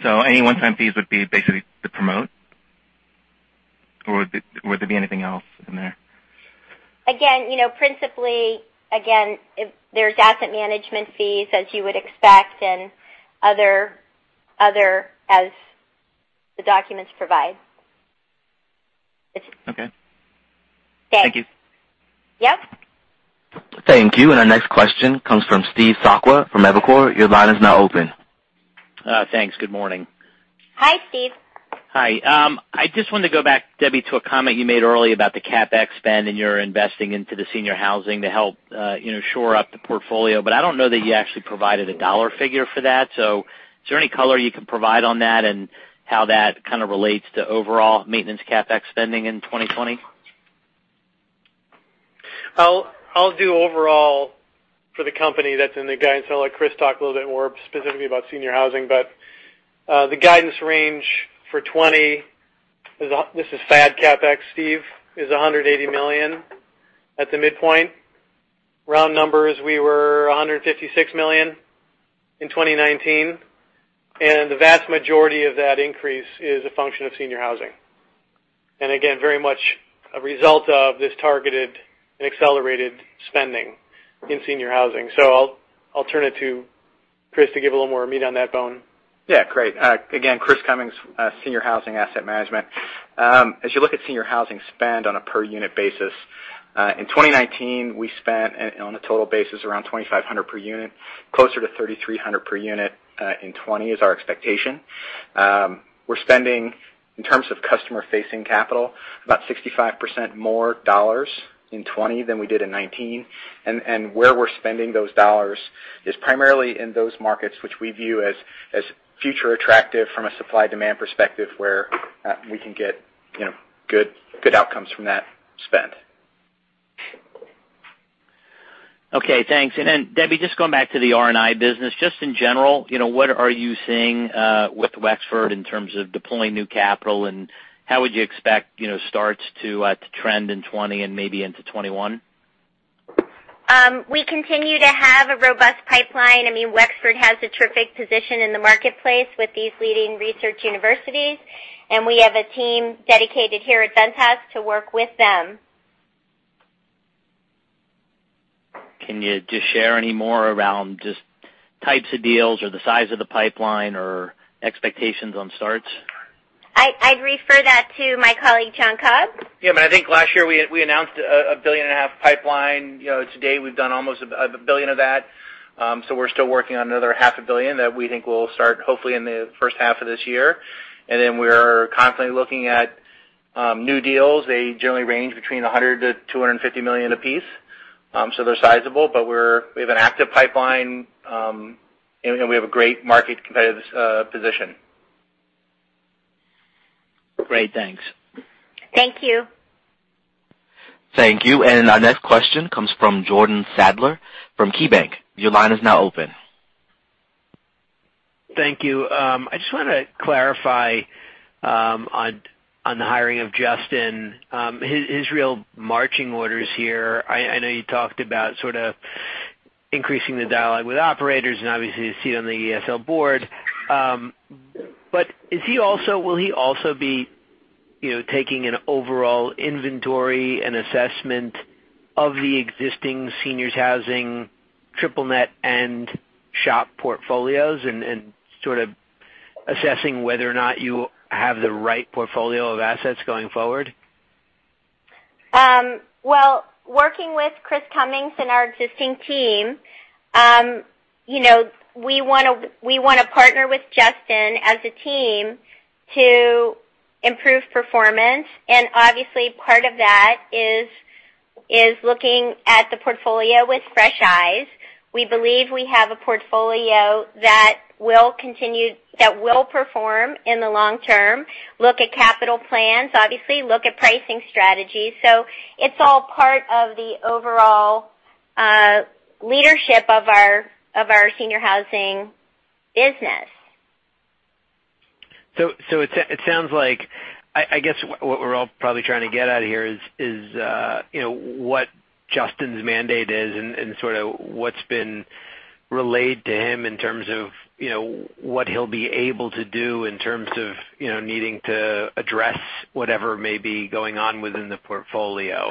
Any one-time fees would be basically to promote, or would there be anything else in there? Principally, there's asset management fees as you would expect, and other as the documents provide. Okay. Thanks. Thank you. Yep. Thank you. Our next question comes from Steve Sakwa from Evercore ISI. Your line is now open. Thanks. Good morning. Hi, Steve. Hi. I just wanted to go back, Debra, to a comment you made earlier about the CapEx spend and your investing into the senior housing to help shore up the portfolio. I don't know that you actually provided a dollar figure for that. Is there any color you can provide on that and how that kind of relates to overall maintenance CapEx spending in 2020? I'll do overall for the company that's in the guidance. I'll let Chris Cummings talk a little bit more specifically about senior housing. The guidance range for 2020, this is funds available for distribution CapEx, Steve, is $180 million at the midpoint. Round numbers, we were $156 million in 2019. The vast majority of that increase is a function of senior housing. Again, very much a result of this targeted and accelerated spending in senior housing. I'll turn it to Chris to give a little more meat on that bone. Yeah, great. Again, Chris Cummings, senior housing asset management. As you look at Senior Housing spend on a per-unit basis, in 2019, we spent on a total basis around $2,500 per unit. Closer to $3,300 per unit in 2020 is our expectation. We're spending, in terms of customer-facing capital, about 65% more dollars in 2020 than we did in 2019. Where we're spending those dollars is primarily in those markets which we view as future attractive from a supply-demand perspective where we can get good outcomes from that spend. Okay, thanks. Then Debra, just going back to the R&I business, just in general, what are you seeing with Wexford in terms of deploying new capital, and how would you expect starts to trend in 2020 and maybe into 2021? We continue to have a robust pipeline. Wexford has a terrific position in the marketplace with these leading research universities. We have a team dedicated here at Ventas to work with them. Can you just share any more around just types of deals or the size of the pipeline or expectations on starts? I'd refer that to my colleague, John Cobb. Yeah, I think last year we announced a billion and a half pipeline. To date, we've done almost $1 billion of that. We're still working on another half a billion that we think will start hopefully in the first half of this year. We're constantly looking at. New deals, they generally range between $100 million-$250 million apiece, so they're sizable. We have an active pipeline, and we have a great market competitive position. Great. Thanks. Thank you. Thank you. Our next question comes from Jordan Sadler from KeyBanc Capital Markets. Your line is now open. Thank you. I just want to clarify on the hiring of Justin, his real marching orders here. I know you talked about sort of increasing the dialogue with operators and obviously his seat on the ESL board. Will he also be taking an overall inventory and assessment of the existing seniors housing triple net and SHOP portfolios and sort of assessing whether or not you have the right portfolio of assets going forward? Well, working with Chris Cummings and our existing team, we want to partner with Justin as a team to improve performance, and obviously, part of that is looking at the portfolio with fresh eyes. We believe we have a portfolio that will perform in the long term, look at capital plans, obviously, look at pricing strategies. It's all part of the overall leadership of our senior housing business. It sounds like, I guess, what we're all probably trying to get at here is what Justin's mandate is and sort of what's been relayed to him in terms of what he'll be able to do in terms of needing to address whatever may be going on within the portfolio.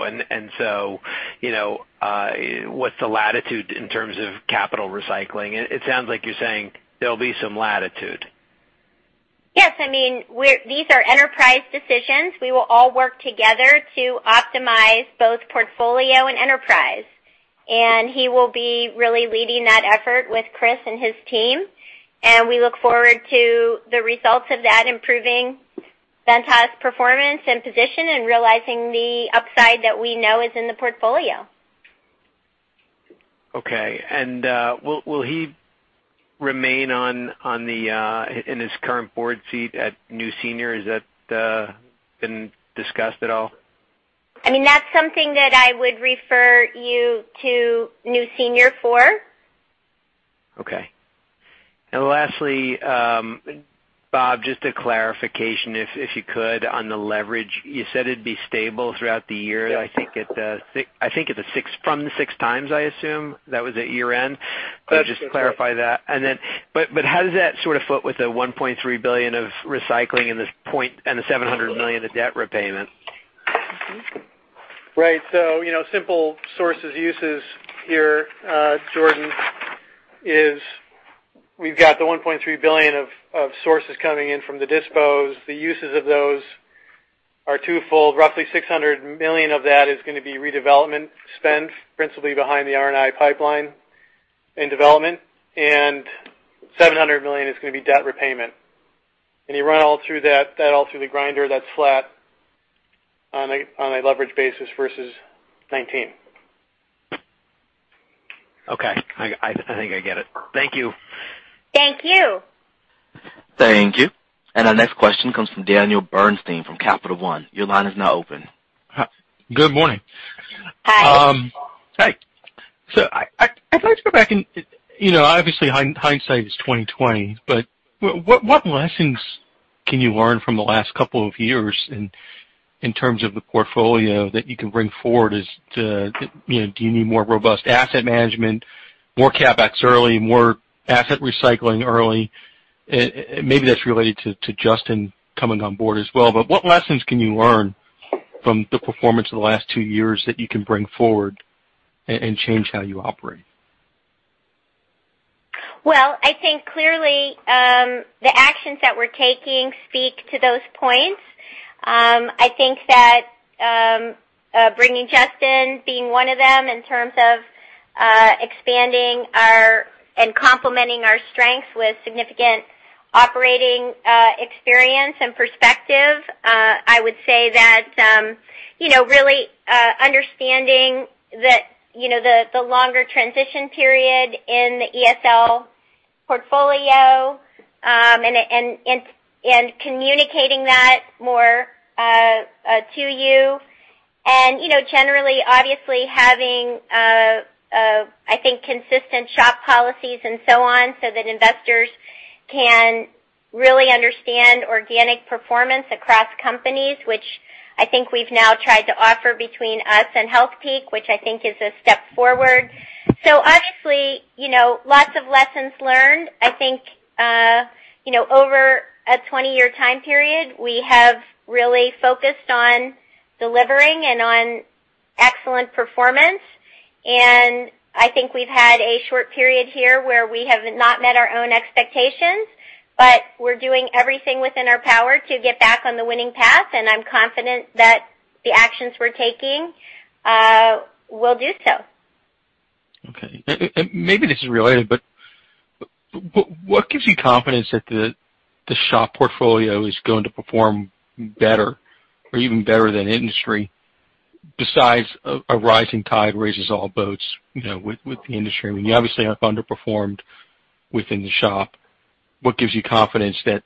What's the latitude in terms of capital recycling? It sounds like you're saying there'll be some latitude. Yes. These are enterprise decisions. We will all work together to optimize both portfolio and enterprise. He will be really leading that effort with Chris and his team. We look forward to the results of that improving Ventas' performance and position and realizing the upside that we know is in the portfolio. Okay. Will he remain in his current board seat at New Senior? Has that been discussed at all? That's something that I would refer you to New Senior for. Okay. Lastly, Cobb, just a clarification, if you could, on the leverage. You said it'd be stable throughout the year. Yes. I think from the 6x, I assume, that was at year-end. That's right. Just to clarify that. How does that sort of fit with the $1.3 billion of recycling and the $700 million of debt repayment? Right. Simple sources uses here, Jordan, is we've got the $1.3 billion of sources coming in from the dispositions. The uses of those are twofold. Roughly $600 million of that is going to be redevelopment spend, principally behind the R&I pipeline in development, and $700 million is going to be debt repayment. You run all through that all through the grinder, that's flat on a leverage basis versus 19. Okay. I think I get it. Thank you. Thank you. Thank you. Our next question comes from Daniel Bernstein from Capital One. Your line is now open. Good morning. Hi. Hi. I'd like to go back and, obviously, hindsight is 2020, but what lessons can you learn from the last couple of years in terms of the portfolio that you can bring forward? Do you need more robust asset management, more CapEx early, more asset recycling early? Maybe that's related to Justin coming on board as well. What lessons can you learn from the performance of the last two years that you can bring forward and change how you operate? Well, I think clearly, the actions that we're taking speak to those points. I think that bringing Justin being one of them in terms of expanding our and complementing our strengths with significant operating experience and perspective. I would say that really understanding the longer transition period in the ESL portfolio, and communicating that more to you. Generally, obviously, having, I think, consistent SHOP policies and so on, so that investors can really understand organic performance across companies, which I think we've now tried to offer between us and Healthpeak, which I think is a step forward. Honestly, lots of lessons learned. I think, over a 20-year time period, we have really focused on delivering and on excellent performance. I think we've had a short period here where we have not met our own expectations. We're doing everything within our power to get back on the winning path. I'm confident that the actions we're taking will do so. Okay. Maybe this is related, what gives you confidence that the SHOP portfolio is going to perform better or even better than industry, besides a rising tide raises all boats with the industry? You obviously have underperformed within the SHOP. What gives you confidence that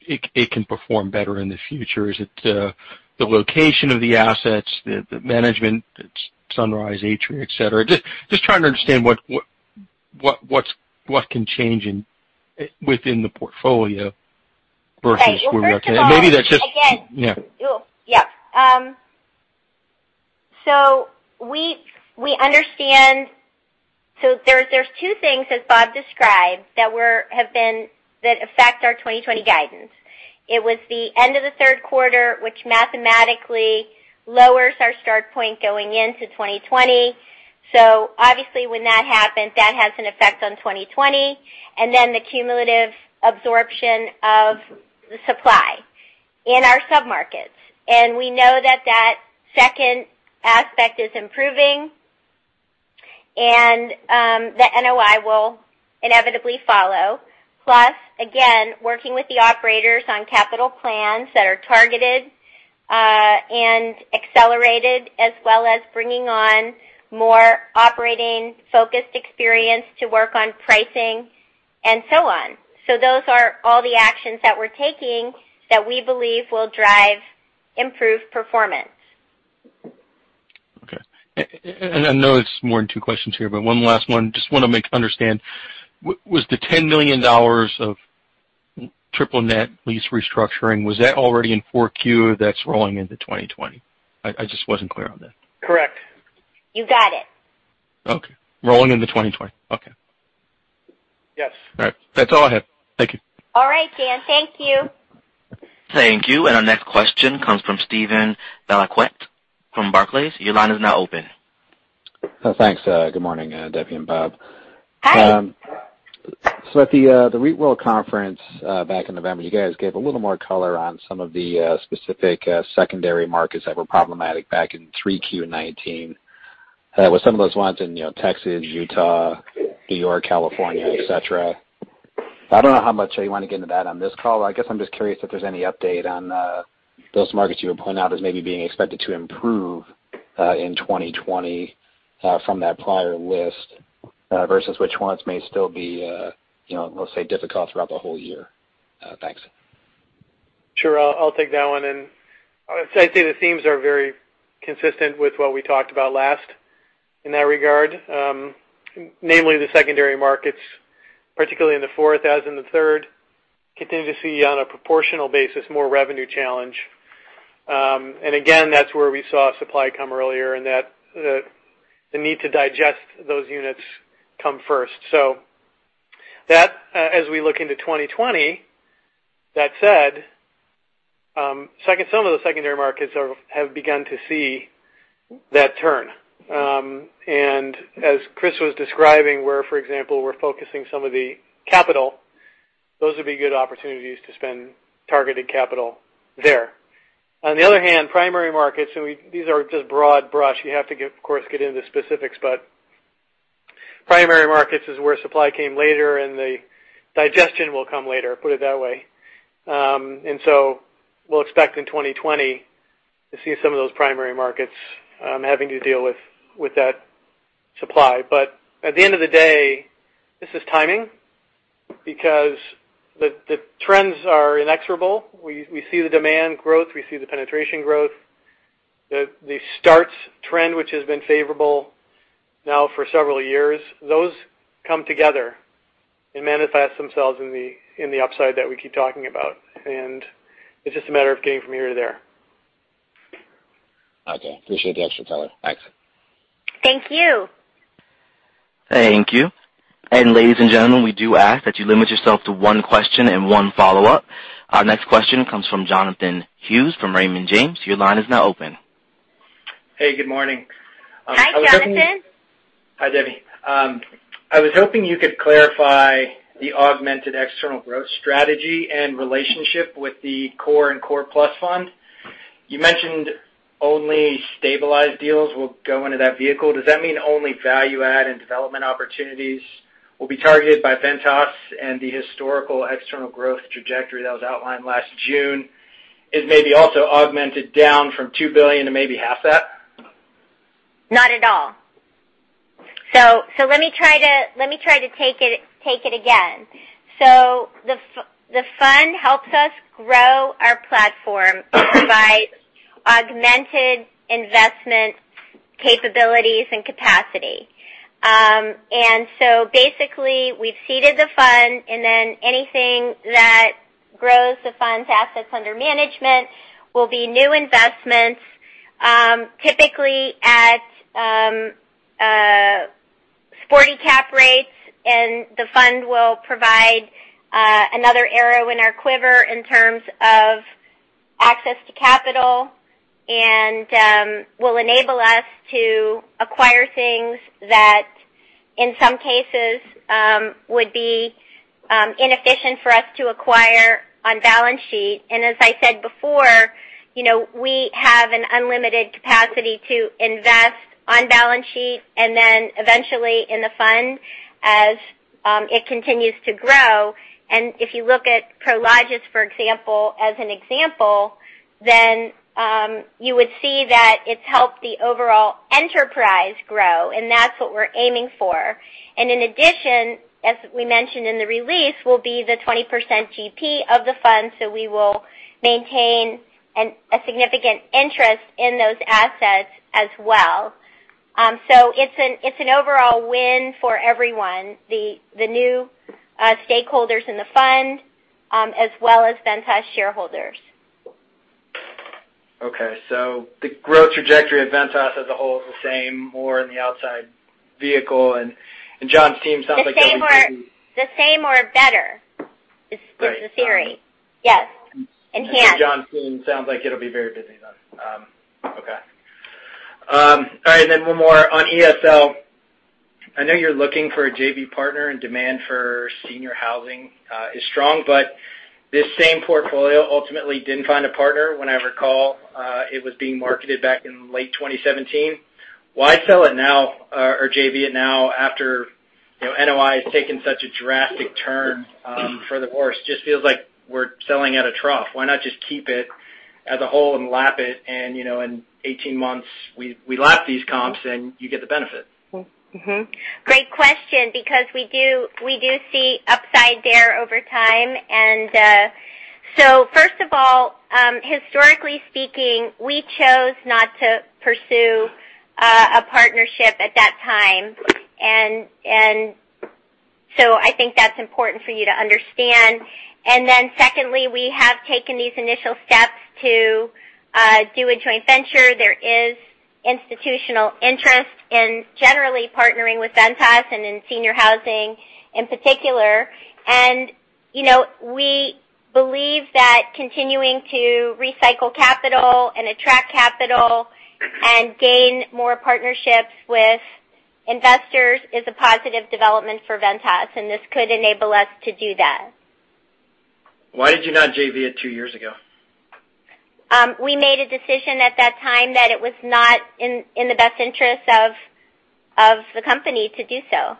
it can perform better in the future? Is it the location of the assets, the management, it's Sunrise, Atria, et cetera? Just trying to understand what can change within the portfolio versus where you are today. Right. Well, first of all. [CROSSTALK] Maybe that's just. Yeah. We understand. There's two things, as Bob described, that affect our 2020 guidance. It was the end of the third quarter, which mathematically lowers our start point going into 2020. Obviously when that happens, that has an effect on 2020, and then the cumulative absorption of the supply in our sub-markets. We know that that second aspect is improving, and the NOI will inevitably follow. Plus, again, working with the operators on capital plans that are targeted, and accelerated, as well as bringing on more operating-focused experience to work on pricing and so on. Those are all the actions that we're taking that we believe will drive improved performance. Okay. I know it's more than two questions here, but one last one. Just want to make understand, was the $10 million of triple net lease restructuring, was that already in 4Q or that's rolling into 2020? I just wasn't clear on that. Correct. You got it. Okay. Rolling into 2020. Okay. Yes. All right. That's all I have. Thank you. All right, Daniel. Thank you. Thank you. Our next question comes from Steven Valiquette from Barclays. Your line is now open. Thanks. Good morning, Debra and Bob. Hi. At the REITworld Conference, back in November, you guys gave a little more color on some of the specific secondary markets that were problematic back in 3Q 2019. With some of those ones in Texas, Utah, New York, California, et cetera. I don't know how much you want to get into that on this call. I guess I'm just curious if there's any update on those markets you would point out as maybe being expected to improve, in 2020, from that prior list, versus which ones may still be, let's say, difficult throughout the whole year. Thanks. Sure. I'll take that one. I'd say the themes are very consistent with what we talked about last in that regard. Namely the secondary markets, particularly in the fourth, as in the third, continue to see, on a proportional basis, more revenue challenge. Again, that's where we saw supply come earlier and the need to digest those units come first. That, as we look into 2020, that said, some of the secondary markets have begun to see that turn. As Chris was describing where, for example, we're focusing some of the capital, those would be good opportunities to spend targeted capital there. On the other hand, primary markets, and these are just broad brush, you have to, of course, get into specifics, but primary markets is where supply came later, and the digestion will come later, put it that way. We'll expect in 2020 to see some of those primary markets having to deal with that supply. At the end of the day, this is timing because the trends are inexorable. We see the demand growth, we see the penetration growth, the starts trend, which has been favorable now for several years. Those come together and manifest themselves in the upside that we keep talking about. It's just a matter of getting from here to there. Okay. Appreciate the extra color. Thanks. Thank you. Thank you. Ladies and gentlemen, we do ask that you limit yourself to one question and one follow-up. Our next question comes from Jonathan Hughes from Raymond James. Your line is now open. Hey, good morning. Hi, Jonathan. Hi, Debra. I was hoping you could clarify the augmented external growth strategy and relationship with the core and core plus fund. You mentioned only stabilized deals will go into that vehicle. Does that mean only value add and development opportunities will be targeted by Ventas and the historical external growth trajectory that was outlined last June is maybe also augmented down from $2 billion to maybe half that? Not at all. Let me try to take it again. The fund helps us grow our platform by augmented investment capabilities and capacity. Basically we've seeded the fund, and then anything that grows the fund's assets under management will be new investments, typically at 40 cap rates. The fund will provide another arrow in our quiver in terms of access to capital and will enable us to acquire things that, in some cases, would be inefficient for us to acquire on balance sheet. As I said before, we have an unlimited capacity to invest on balance sheet, and then eventually in the fund as it continues to grow. If you look at Prologis, for example, as an example, then you would see that it's helped the overall enterprise grow, and that's what we're aiming for. In addition, as we mentioned in the release, we'll be the 20% GP of the fund, so we will maintain a significant interest in those assets as well. It's an overall win for everyone, the new stakeholders in the fund, as well as Ventas shareholders. Okay, the growth trajectory of Ventas as a whole is the same, more in the outside vehicle, and John's team sounds like they'll be. The same or better is the theory. Right. Yes. Enhanced. John's team sounds like it'll be very busy then. Okay. All right, one more on ESL. I know you're looking for a JV partner and demand for senior housing is strong, but this same portfolio ultimately didn't find a partner when I recall it was being marketed back in late 2017. Why sell it now or JV it now after NOI has taken such a drastic turn for the worse? Just feels like we're selling at a trough. Why not just keep it as a whole and lap it, and in 18 months, we lap these comps, and you get the benefit? Great question. We do see upside there over time. First of all, historically speaking, we chose not to pursue a partnership at that time. I think that's important for you to understand. Secondly, we have taken these initial steps to do a joint venture. There is institutional interest in generally partnering with Ventas and in senior housing in particular. We believe that continuing to recycle capital and attract capital and gain more partnerships with investors is a positive development for Ventas, and this could enable us to do that. Why did you not JV it two years ago? We made a decision at that time that it was not in the best interest of the company to do so.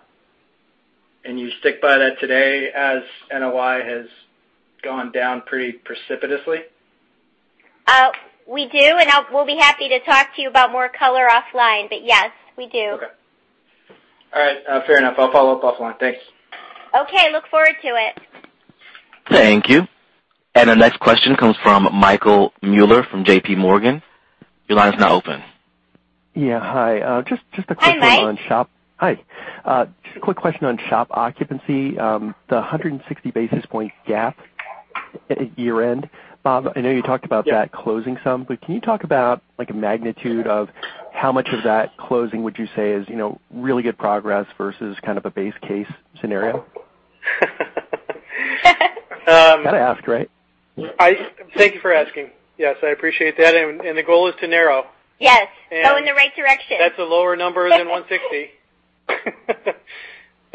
You stick by that today as NOI has gone down pretty precipitously? We do, and we'll be happy to talk to you about more color offline, but yes, we do. Okay. All right. Fair enough. I'll follow up offline. Thank you. Okay. Look forward to it. Thank you. Our next question comes from Michael Mueller from JPMorgan. Your line is now open. Yeah. Hi. Just a quick one on. Hi, Michael. Hi. Just a quick question on SHOP occupancy. The 160 basis points gap at year-end. Bob, I know you talked about that closing some, but can you talk about, like, a magnitude of how much of that closing would you say is really good progress versus kind of a base case scenario? Gotta ask, right? Thank you for asking. Yes, I appreciate that. The goal is to narrow. Yes. Go in the right direction. That's a lower number than 160.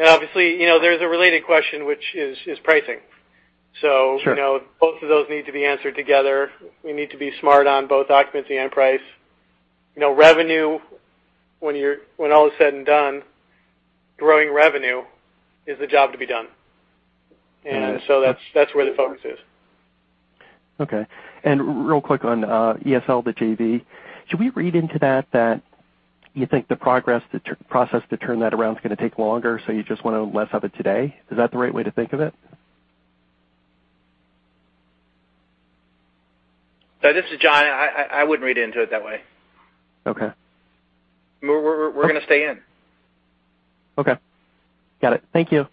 Obviously, there's a related question, which is pricing. Sure. Both of those need to be answered together. We need to be smart on both occupancy and price. Revenue, when all is said and done, growing revenue is the job to be done. That's where the focus is. Okay. real quick on ESL, the JV. Should we read into that that you think the process to turn that around is gonna take longer, so you just want less of it today? Is that the right way to think of it? This is John. I wouldn't read into it that way. Okay. We're gonna stay in. Okay. Got it. Thank you.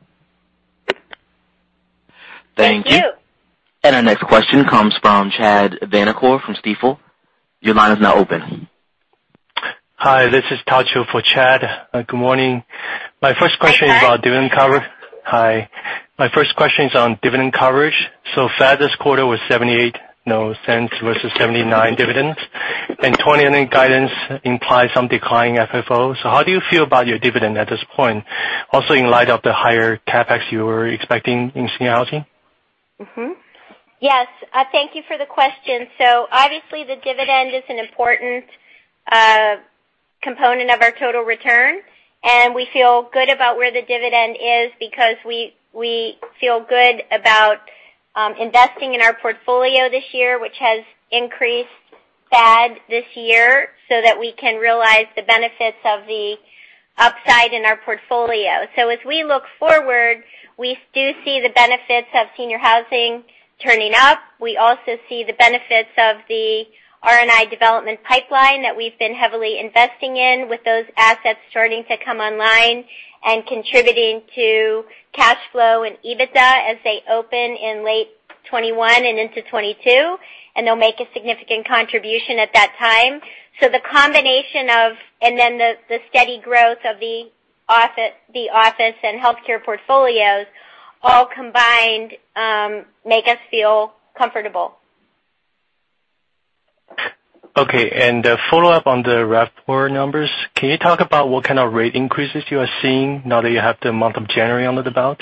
Thank you. Thank you. Our next question comes from Chad Vanacore from Stifel. Your line is now open. Hi. This is Tao Qiu for Chad. Good morning. Hi. My first question is about dividend cover. Hi. My first question is on dividend coverage. FAD this quarter was $0.78 versus 79 dividends, and 2020 guidance implies some declining FFO. How do you feel about your dividend at this point, also in light of the higher CapEx you were expecting in senior housing? Yes. Thank you for the question. Obviously, the dividend is an important component of our total return, and we feel good about where the dividend is because we feel good about investing in our portfolio this year, which has increased FAD this year so that we can realize the benefits of the upside in our portfolio. As we look forward, we do see the benefits of senior housing turning up. We also see the benefits of the R&I development pipeline that we've been heavily investing in, with those assets starting to come online and contributing to cash flow and EBITDA as they open in late 2021 and into 2022. They'll make a significant contribution at that time. The steady growth of the office and healthcare portfolios all combined make us feel comfortable Okay. A follow-up on the RevPAR numbers. Can you talk about what kind of rate increases you are seeing now that you have the month of January under the belt?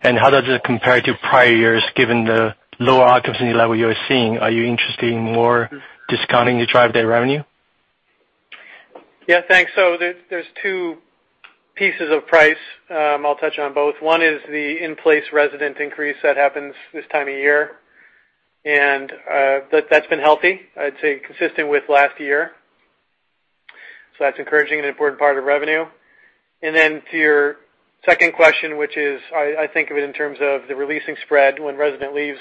How does it compare to prior years, given the lower occupancy level you're seeing? Are you interested in more discounting to drive that revenue? Yeah, thanks. There's two pieces of price, I'll touch on both. One is the in-place resident increase that happens this time of year. That's been healthy, I'd say, consistent with last year. That's encouraging, an important part of revenue. To your second question, which is, I think of it in terms of the releasing spread when resident leaves,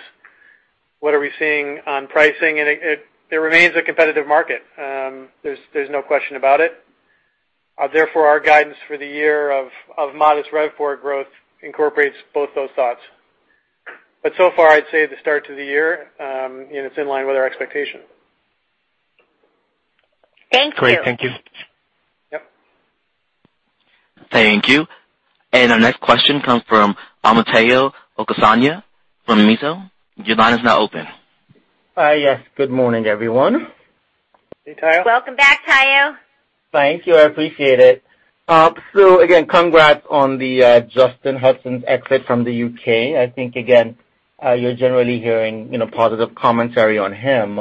what are we seeing on pricing? It remains a competitive market. There's no question about it. Therefore, our guidance for the year of modest RevPAR growth incorporates both those thoughts. So far, I'd say the start to the year, it's in line with our expectation. Thank you. Great. Thank you. Yep. Thank you. Our next question comes from Omotayo Okusanya from Mizuho. Your line is now open. Hi. Yes. Good morning, everyone. Hey, Omotayo. Welcome back, Omotayo. Thank you. I appreciate it. Again, congrats on the Justin Hutchens exit from the U.K. I think, again, you're generally hearing positive commentary on him.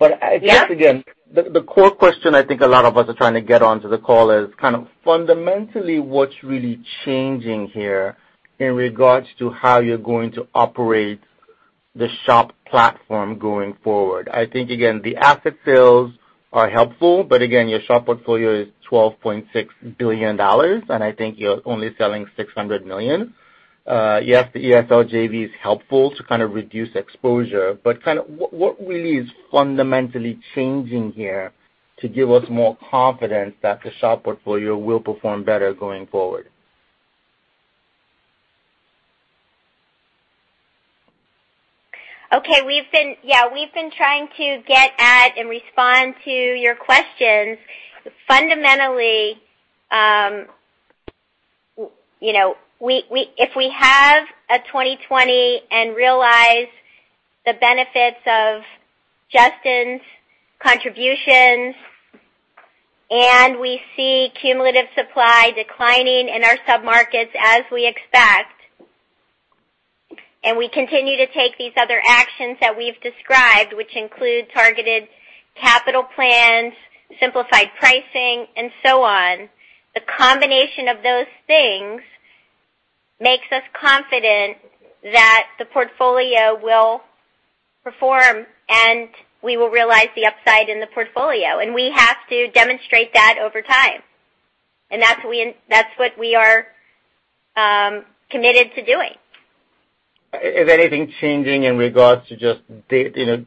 Yeah. I guess, again, the core question I think a lot of us are trying to get on to the call is kind of fundamentally what's really changing here in regards to how you're going to operate the SHOP platform going forward. I think, again, the asset sales are helpful, but again, your SHOP portfolio is $12.6 billion, and I think you're only selling $600 million. Yes, the ESL JV is helpful to kind of reduce exposure, but what really is fundamentally changing here to give us more confidence that the SHOP portfolio will perform better going forward? Okay. We've been trying to get at and respond to your questions. Fundamentally, if we have a 2020 and realize the benefits of Justin's contributions, and we see cumulative supply declining in our sub-markets as we expect, and we continue to take these other actions that we've described, which include targeted capital plans, simplified pricing, and so on, the combination of those things makes us confident that the portfolio will perform, and we will realize the upside in the portfolio, and we have to demonstrate that over time. That's what we are committed to doing. Is anything changing in regards to just data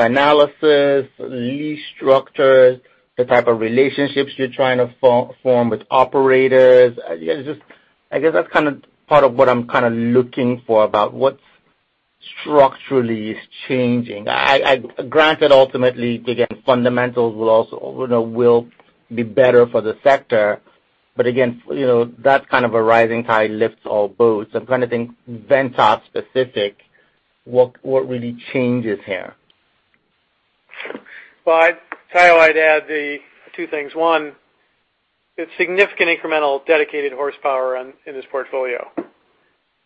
analysis, lease structures, the type of relationships you're trying to form with operators? I guess that's kind of part of what I'm kind of looking for about what structurally is changing. Granted, ultimately, again, fundamentals will be better for the sector, again, that kind of a rising tide lifts all boats. I'm trying to think Ventas specific, what really changes here? Well, Omotayo, I'd add the two things. One, it's significant incremental dedicated horsepower in this portfolio.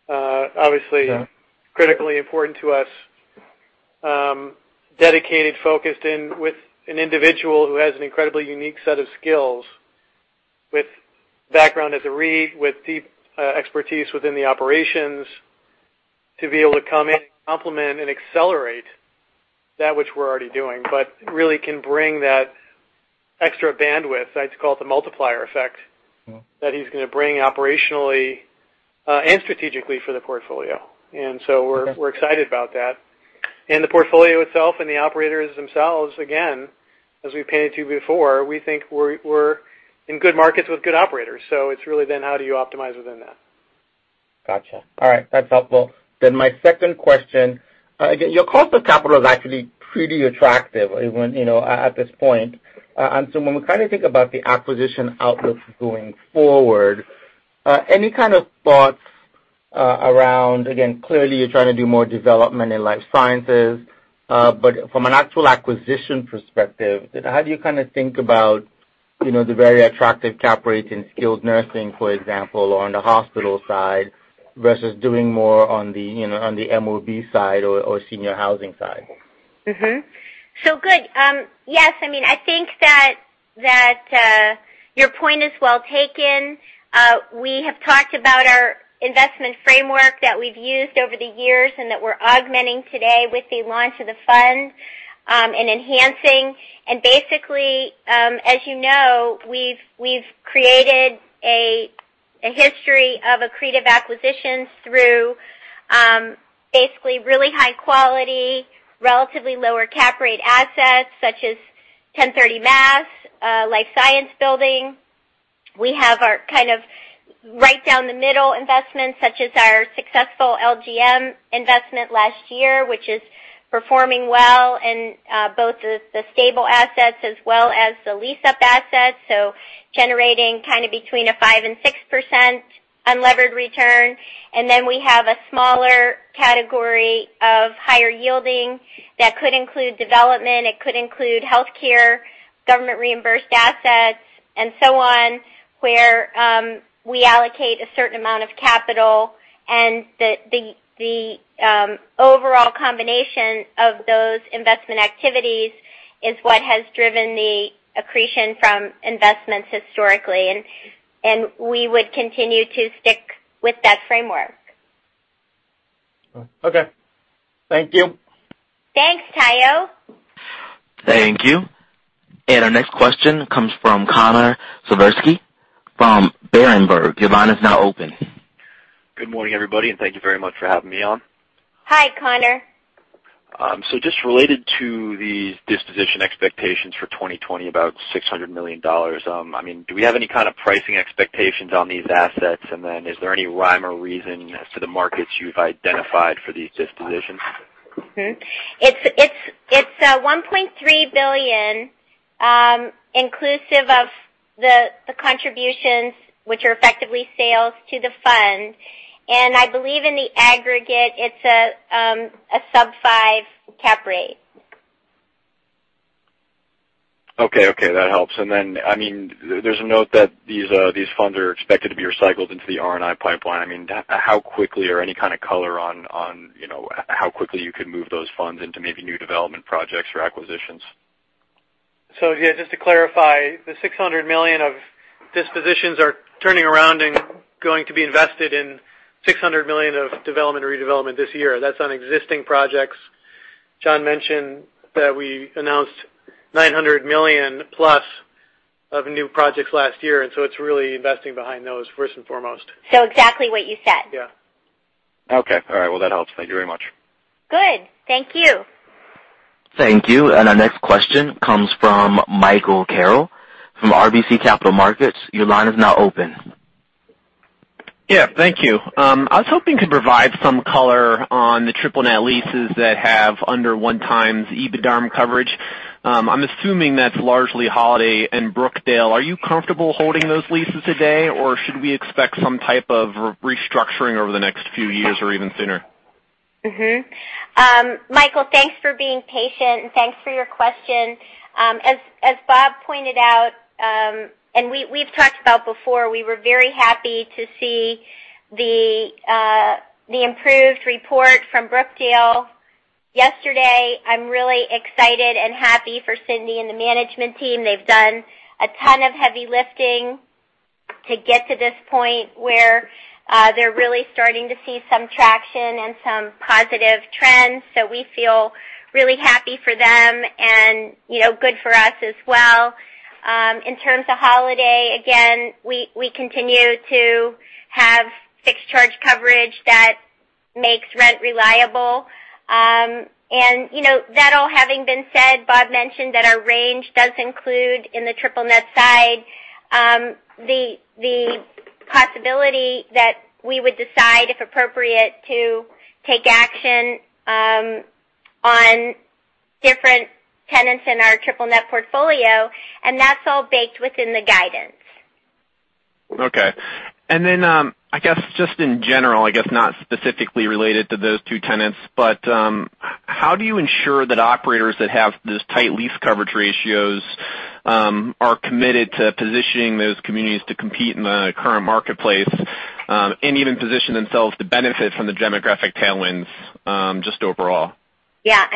Yeah. Critically important to us. Dedicated, focused in with an individual who has an incredibly unique set of skills with background as a REIT, with deep expertise within the operations to be able to come in and complement and accelerate that which we're already doing, but really can bring that extra bandwidth. I'd call it the multiplier effect that he's going to bring operationally and strategically for the portfolio. We're excited about that. The portfolio itself and the operators themselves, again, as we painted to you before, we think we're in good markets with good operators. It's really then how do you optimize within that? Got you. All right. That's helpful. My second question. Again, your cost of capital is actually pretty attractive at this point. When we kind of think about the acquisition outlook going forward, any kind of thoughts around, again, clearly you're trying to do more development in life sciences, but from an actual acquisition perspective, how do you kind of think about the very attractive cap rates in skilled nursing, for example, or on the hospital side, versus doing more on the MOB side or senior housing side? Good. Yes, I think that your point is well taken. We have talked about our investment framework that we've used over the years and that we're augmenting today with the launch of the fund, and enhancing. Basically, as you know, we've created a history of accretive acquisitions through basically really high quality, relatively lower cap rate assets such as 1030 Mass life science building. We have our kind of right down the middle investments such as our successful LGM investment last year, which is performing well in both the stable assets as well as the lease-up assets, so generating kind of between a 5% and 6% unlevered return. We have a smaller category of higher yielding that could include development, it could include healthcare, government reimbursed assets, and so on. Where we allocate a certain amount of capital, and the overall combination of those investment activities is what has driven the accretion from investments historically, and we would continue to stick with that framework. Okay. Thank you. Thanks, Omotayo. Thank you. Our next question comes from Connor Siversky from Berenberg. Your line is now open. Good morning, everybody, and thank you very much for having me on. Hi, Connor. Just related to the disposition expectations for 2020, about $600 million. Do we have any kind of pricing expectations on these assets? Is there any rhyme or reason as to the markets you've identified for these dispositions? It's $1.3 billion, inclusive of the contributions, which are effectively sales to the fund. I believe in the aggregate, it's a sub five cap rate. Okay. That helps. There's a note that these funds are expected to be recycled into the R&I pipeline. How quickly, or any kind of color on how quickly you could move those funds into maybe new development projects or acquisitions? Yeah, just to clarify, the $600 million of dispositions are turning around and going to be invested in $600 million of development or redevelopment this year. That's on existing projects. John mentioned that we announced $900+ million of new projects last year. It's really investing behind those first and foremost. Exactly what you said. Yeah. Okay. All right. Well, that helps. Thank you very much. Good. Thank you. Thank you. Our next question comes from Michael Carroll from RBC Capital Markets. Your line is now open. Yeah, thank you. I was hoping to provide some color on the triple net leases that have under 1x EBITDA coverage. I'm assuming that's largely Holiday and Brookdale. Are you comfortable holding those leases today, or should we expect some type of restructuring over the next few years or even sooner? Michael, thanks for being patient, and thanks for your question. As Bob pointed out, and we've talked about before, we were very happy to see the improved report from Brookdale yesterday. I'm really excited and happy for Cindy and the management team. They've done a ton of heavy lifting to get to this point where they're really starting to see some traction and some positive trends. We feel really happy for them and good for us as well. In terms of Holiday, again, we continue to have fixed charge coverage that makes rent reliable. That all having been said, Bob mentioned that our range does include, in the triple net side, the possibility that we would decide, if appropriate, to take action on different tenants in our triple net portfolio, and that's all baked within the guidance. Okay. I guess just in general, I guess not specifically related to those two tenants, how do you ensure that operators that have this tight lease coverage ratios are committed to positioning those communities to compete in the current marketplace, and even position themselves to benefit from the demographic tailwinds, just overall? Yeah.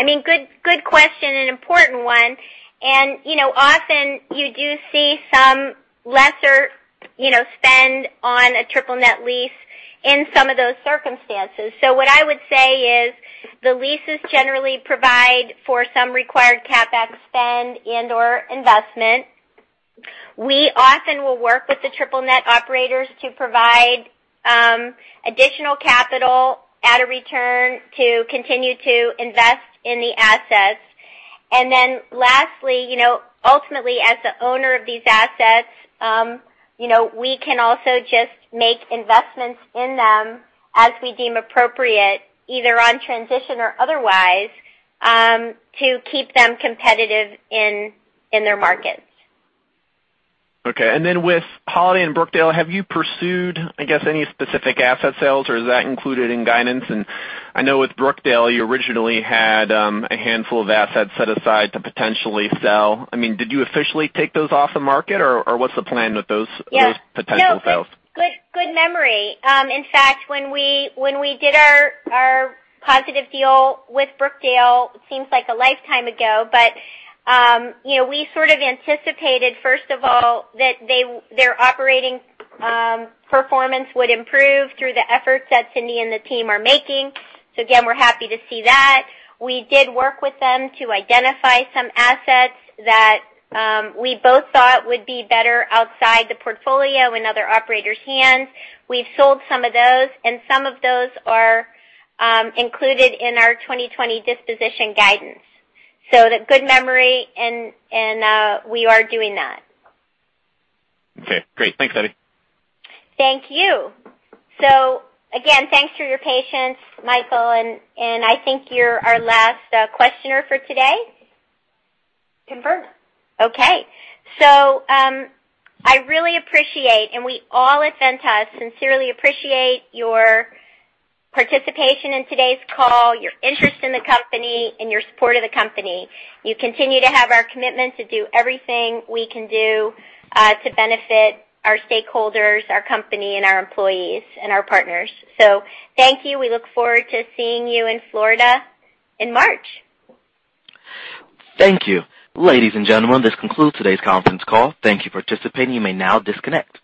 Good question, an important one, and often you do see some lesser spend on a triple net lease in some of those circumstances. What I would say is the leases generally provide for some required CapEx spend and/or investment. We often will work with the triple net operators to provide additional capital at a return to continue to invest in the assets. Then lastly, ultimately, as the owner of these assets, we can also just make investments in them as we deem appropriate, either on transition or otherwise, to keep them competitive in their markets. Okay. Then with Holiday and Brookdale, have you pursued, I guess, any specific asset sales, or is that included in guidance? I know with Brookdale, you originally had a handful of assets set aside to potentially sell. Did you officially take those off the market, or what's the plan with those [CROSSTALK] potential sales? Good memory. In fact, when we did our positive deal with Brookdale, seems like a lifetime ago, but we sort of anticipated, first of all, that their operating performance would improve through the efforts that Cindy and the team are making. Again, we're happy to see that. We did work with them to identify some assets that we both thought would be better outside the portfolio in other operators' hands. We've sold some of those, and some of those are included in our 2020 disposition guidance. Good memory, and we are doing that. Okay, great. Thanks, Debra. Thank you. Again, thanks for your patience, Michael, and I think you're our last questioner for today. Confirmed. Okay. I really appreciate, and we all at Ventas sincerely appreciate your participation in today's call, your interest in the company, and your support of the company. You continue to have our commitment to do everything we can do to benefit our stakeholders, our company, and our employees, and our partners. Thank you. We look forward to seeing you in Florida in March. Thank you. Ladies and gentlemen, this concludes today's conference call. Thank you for participating. You may now disconnect.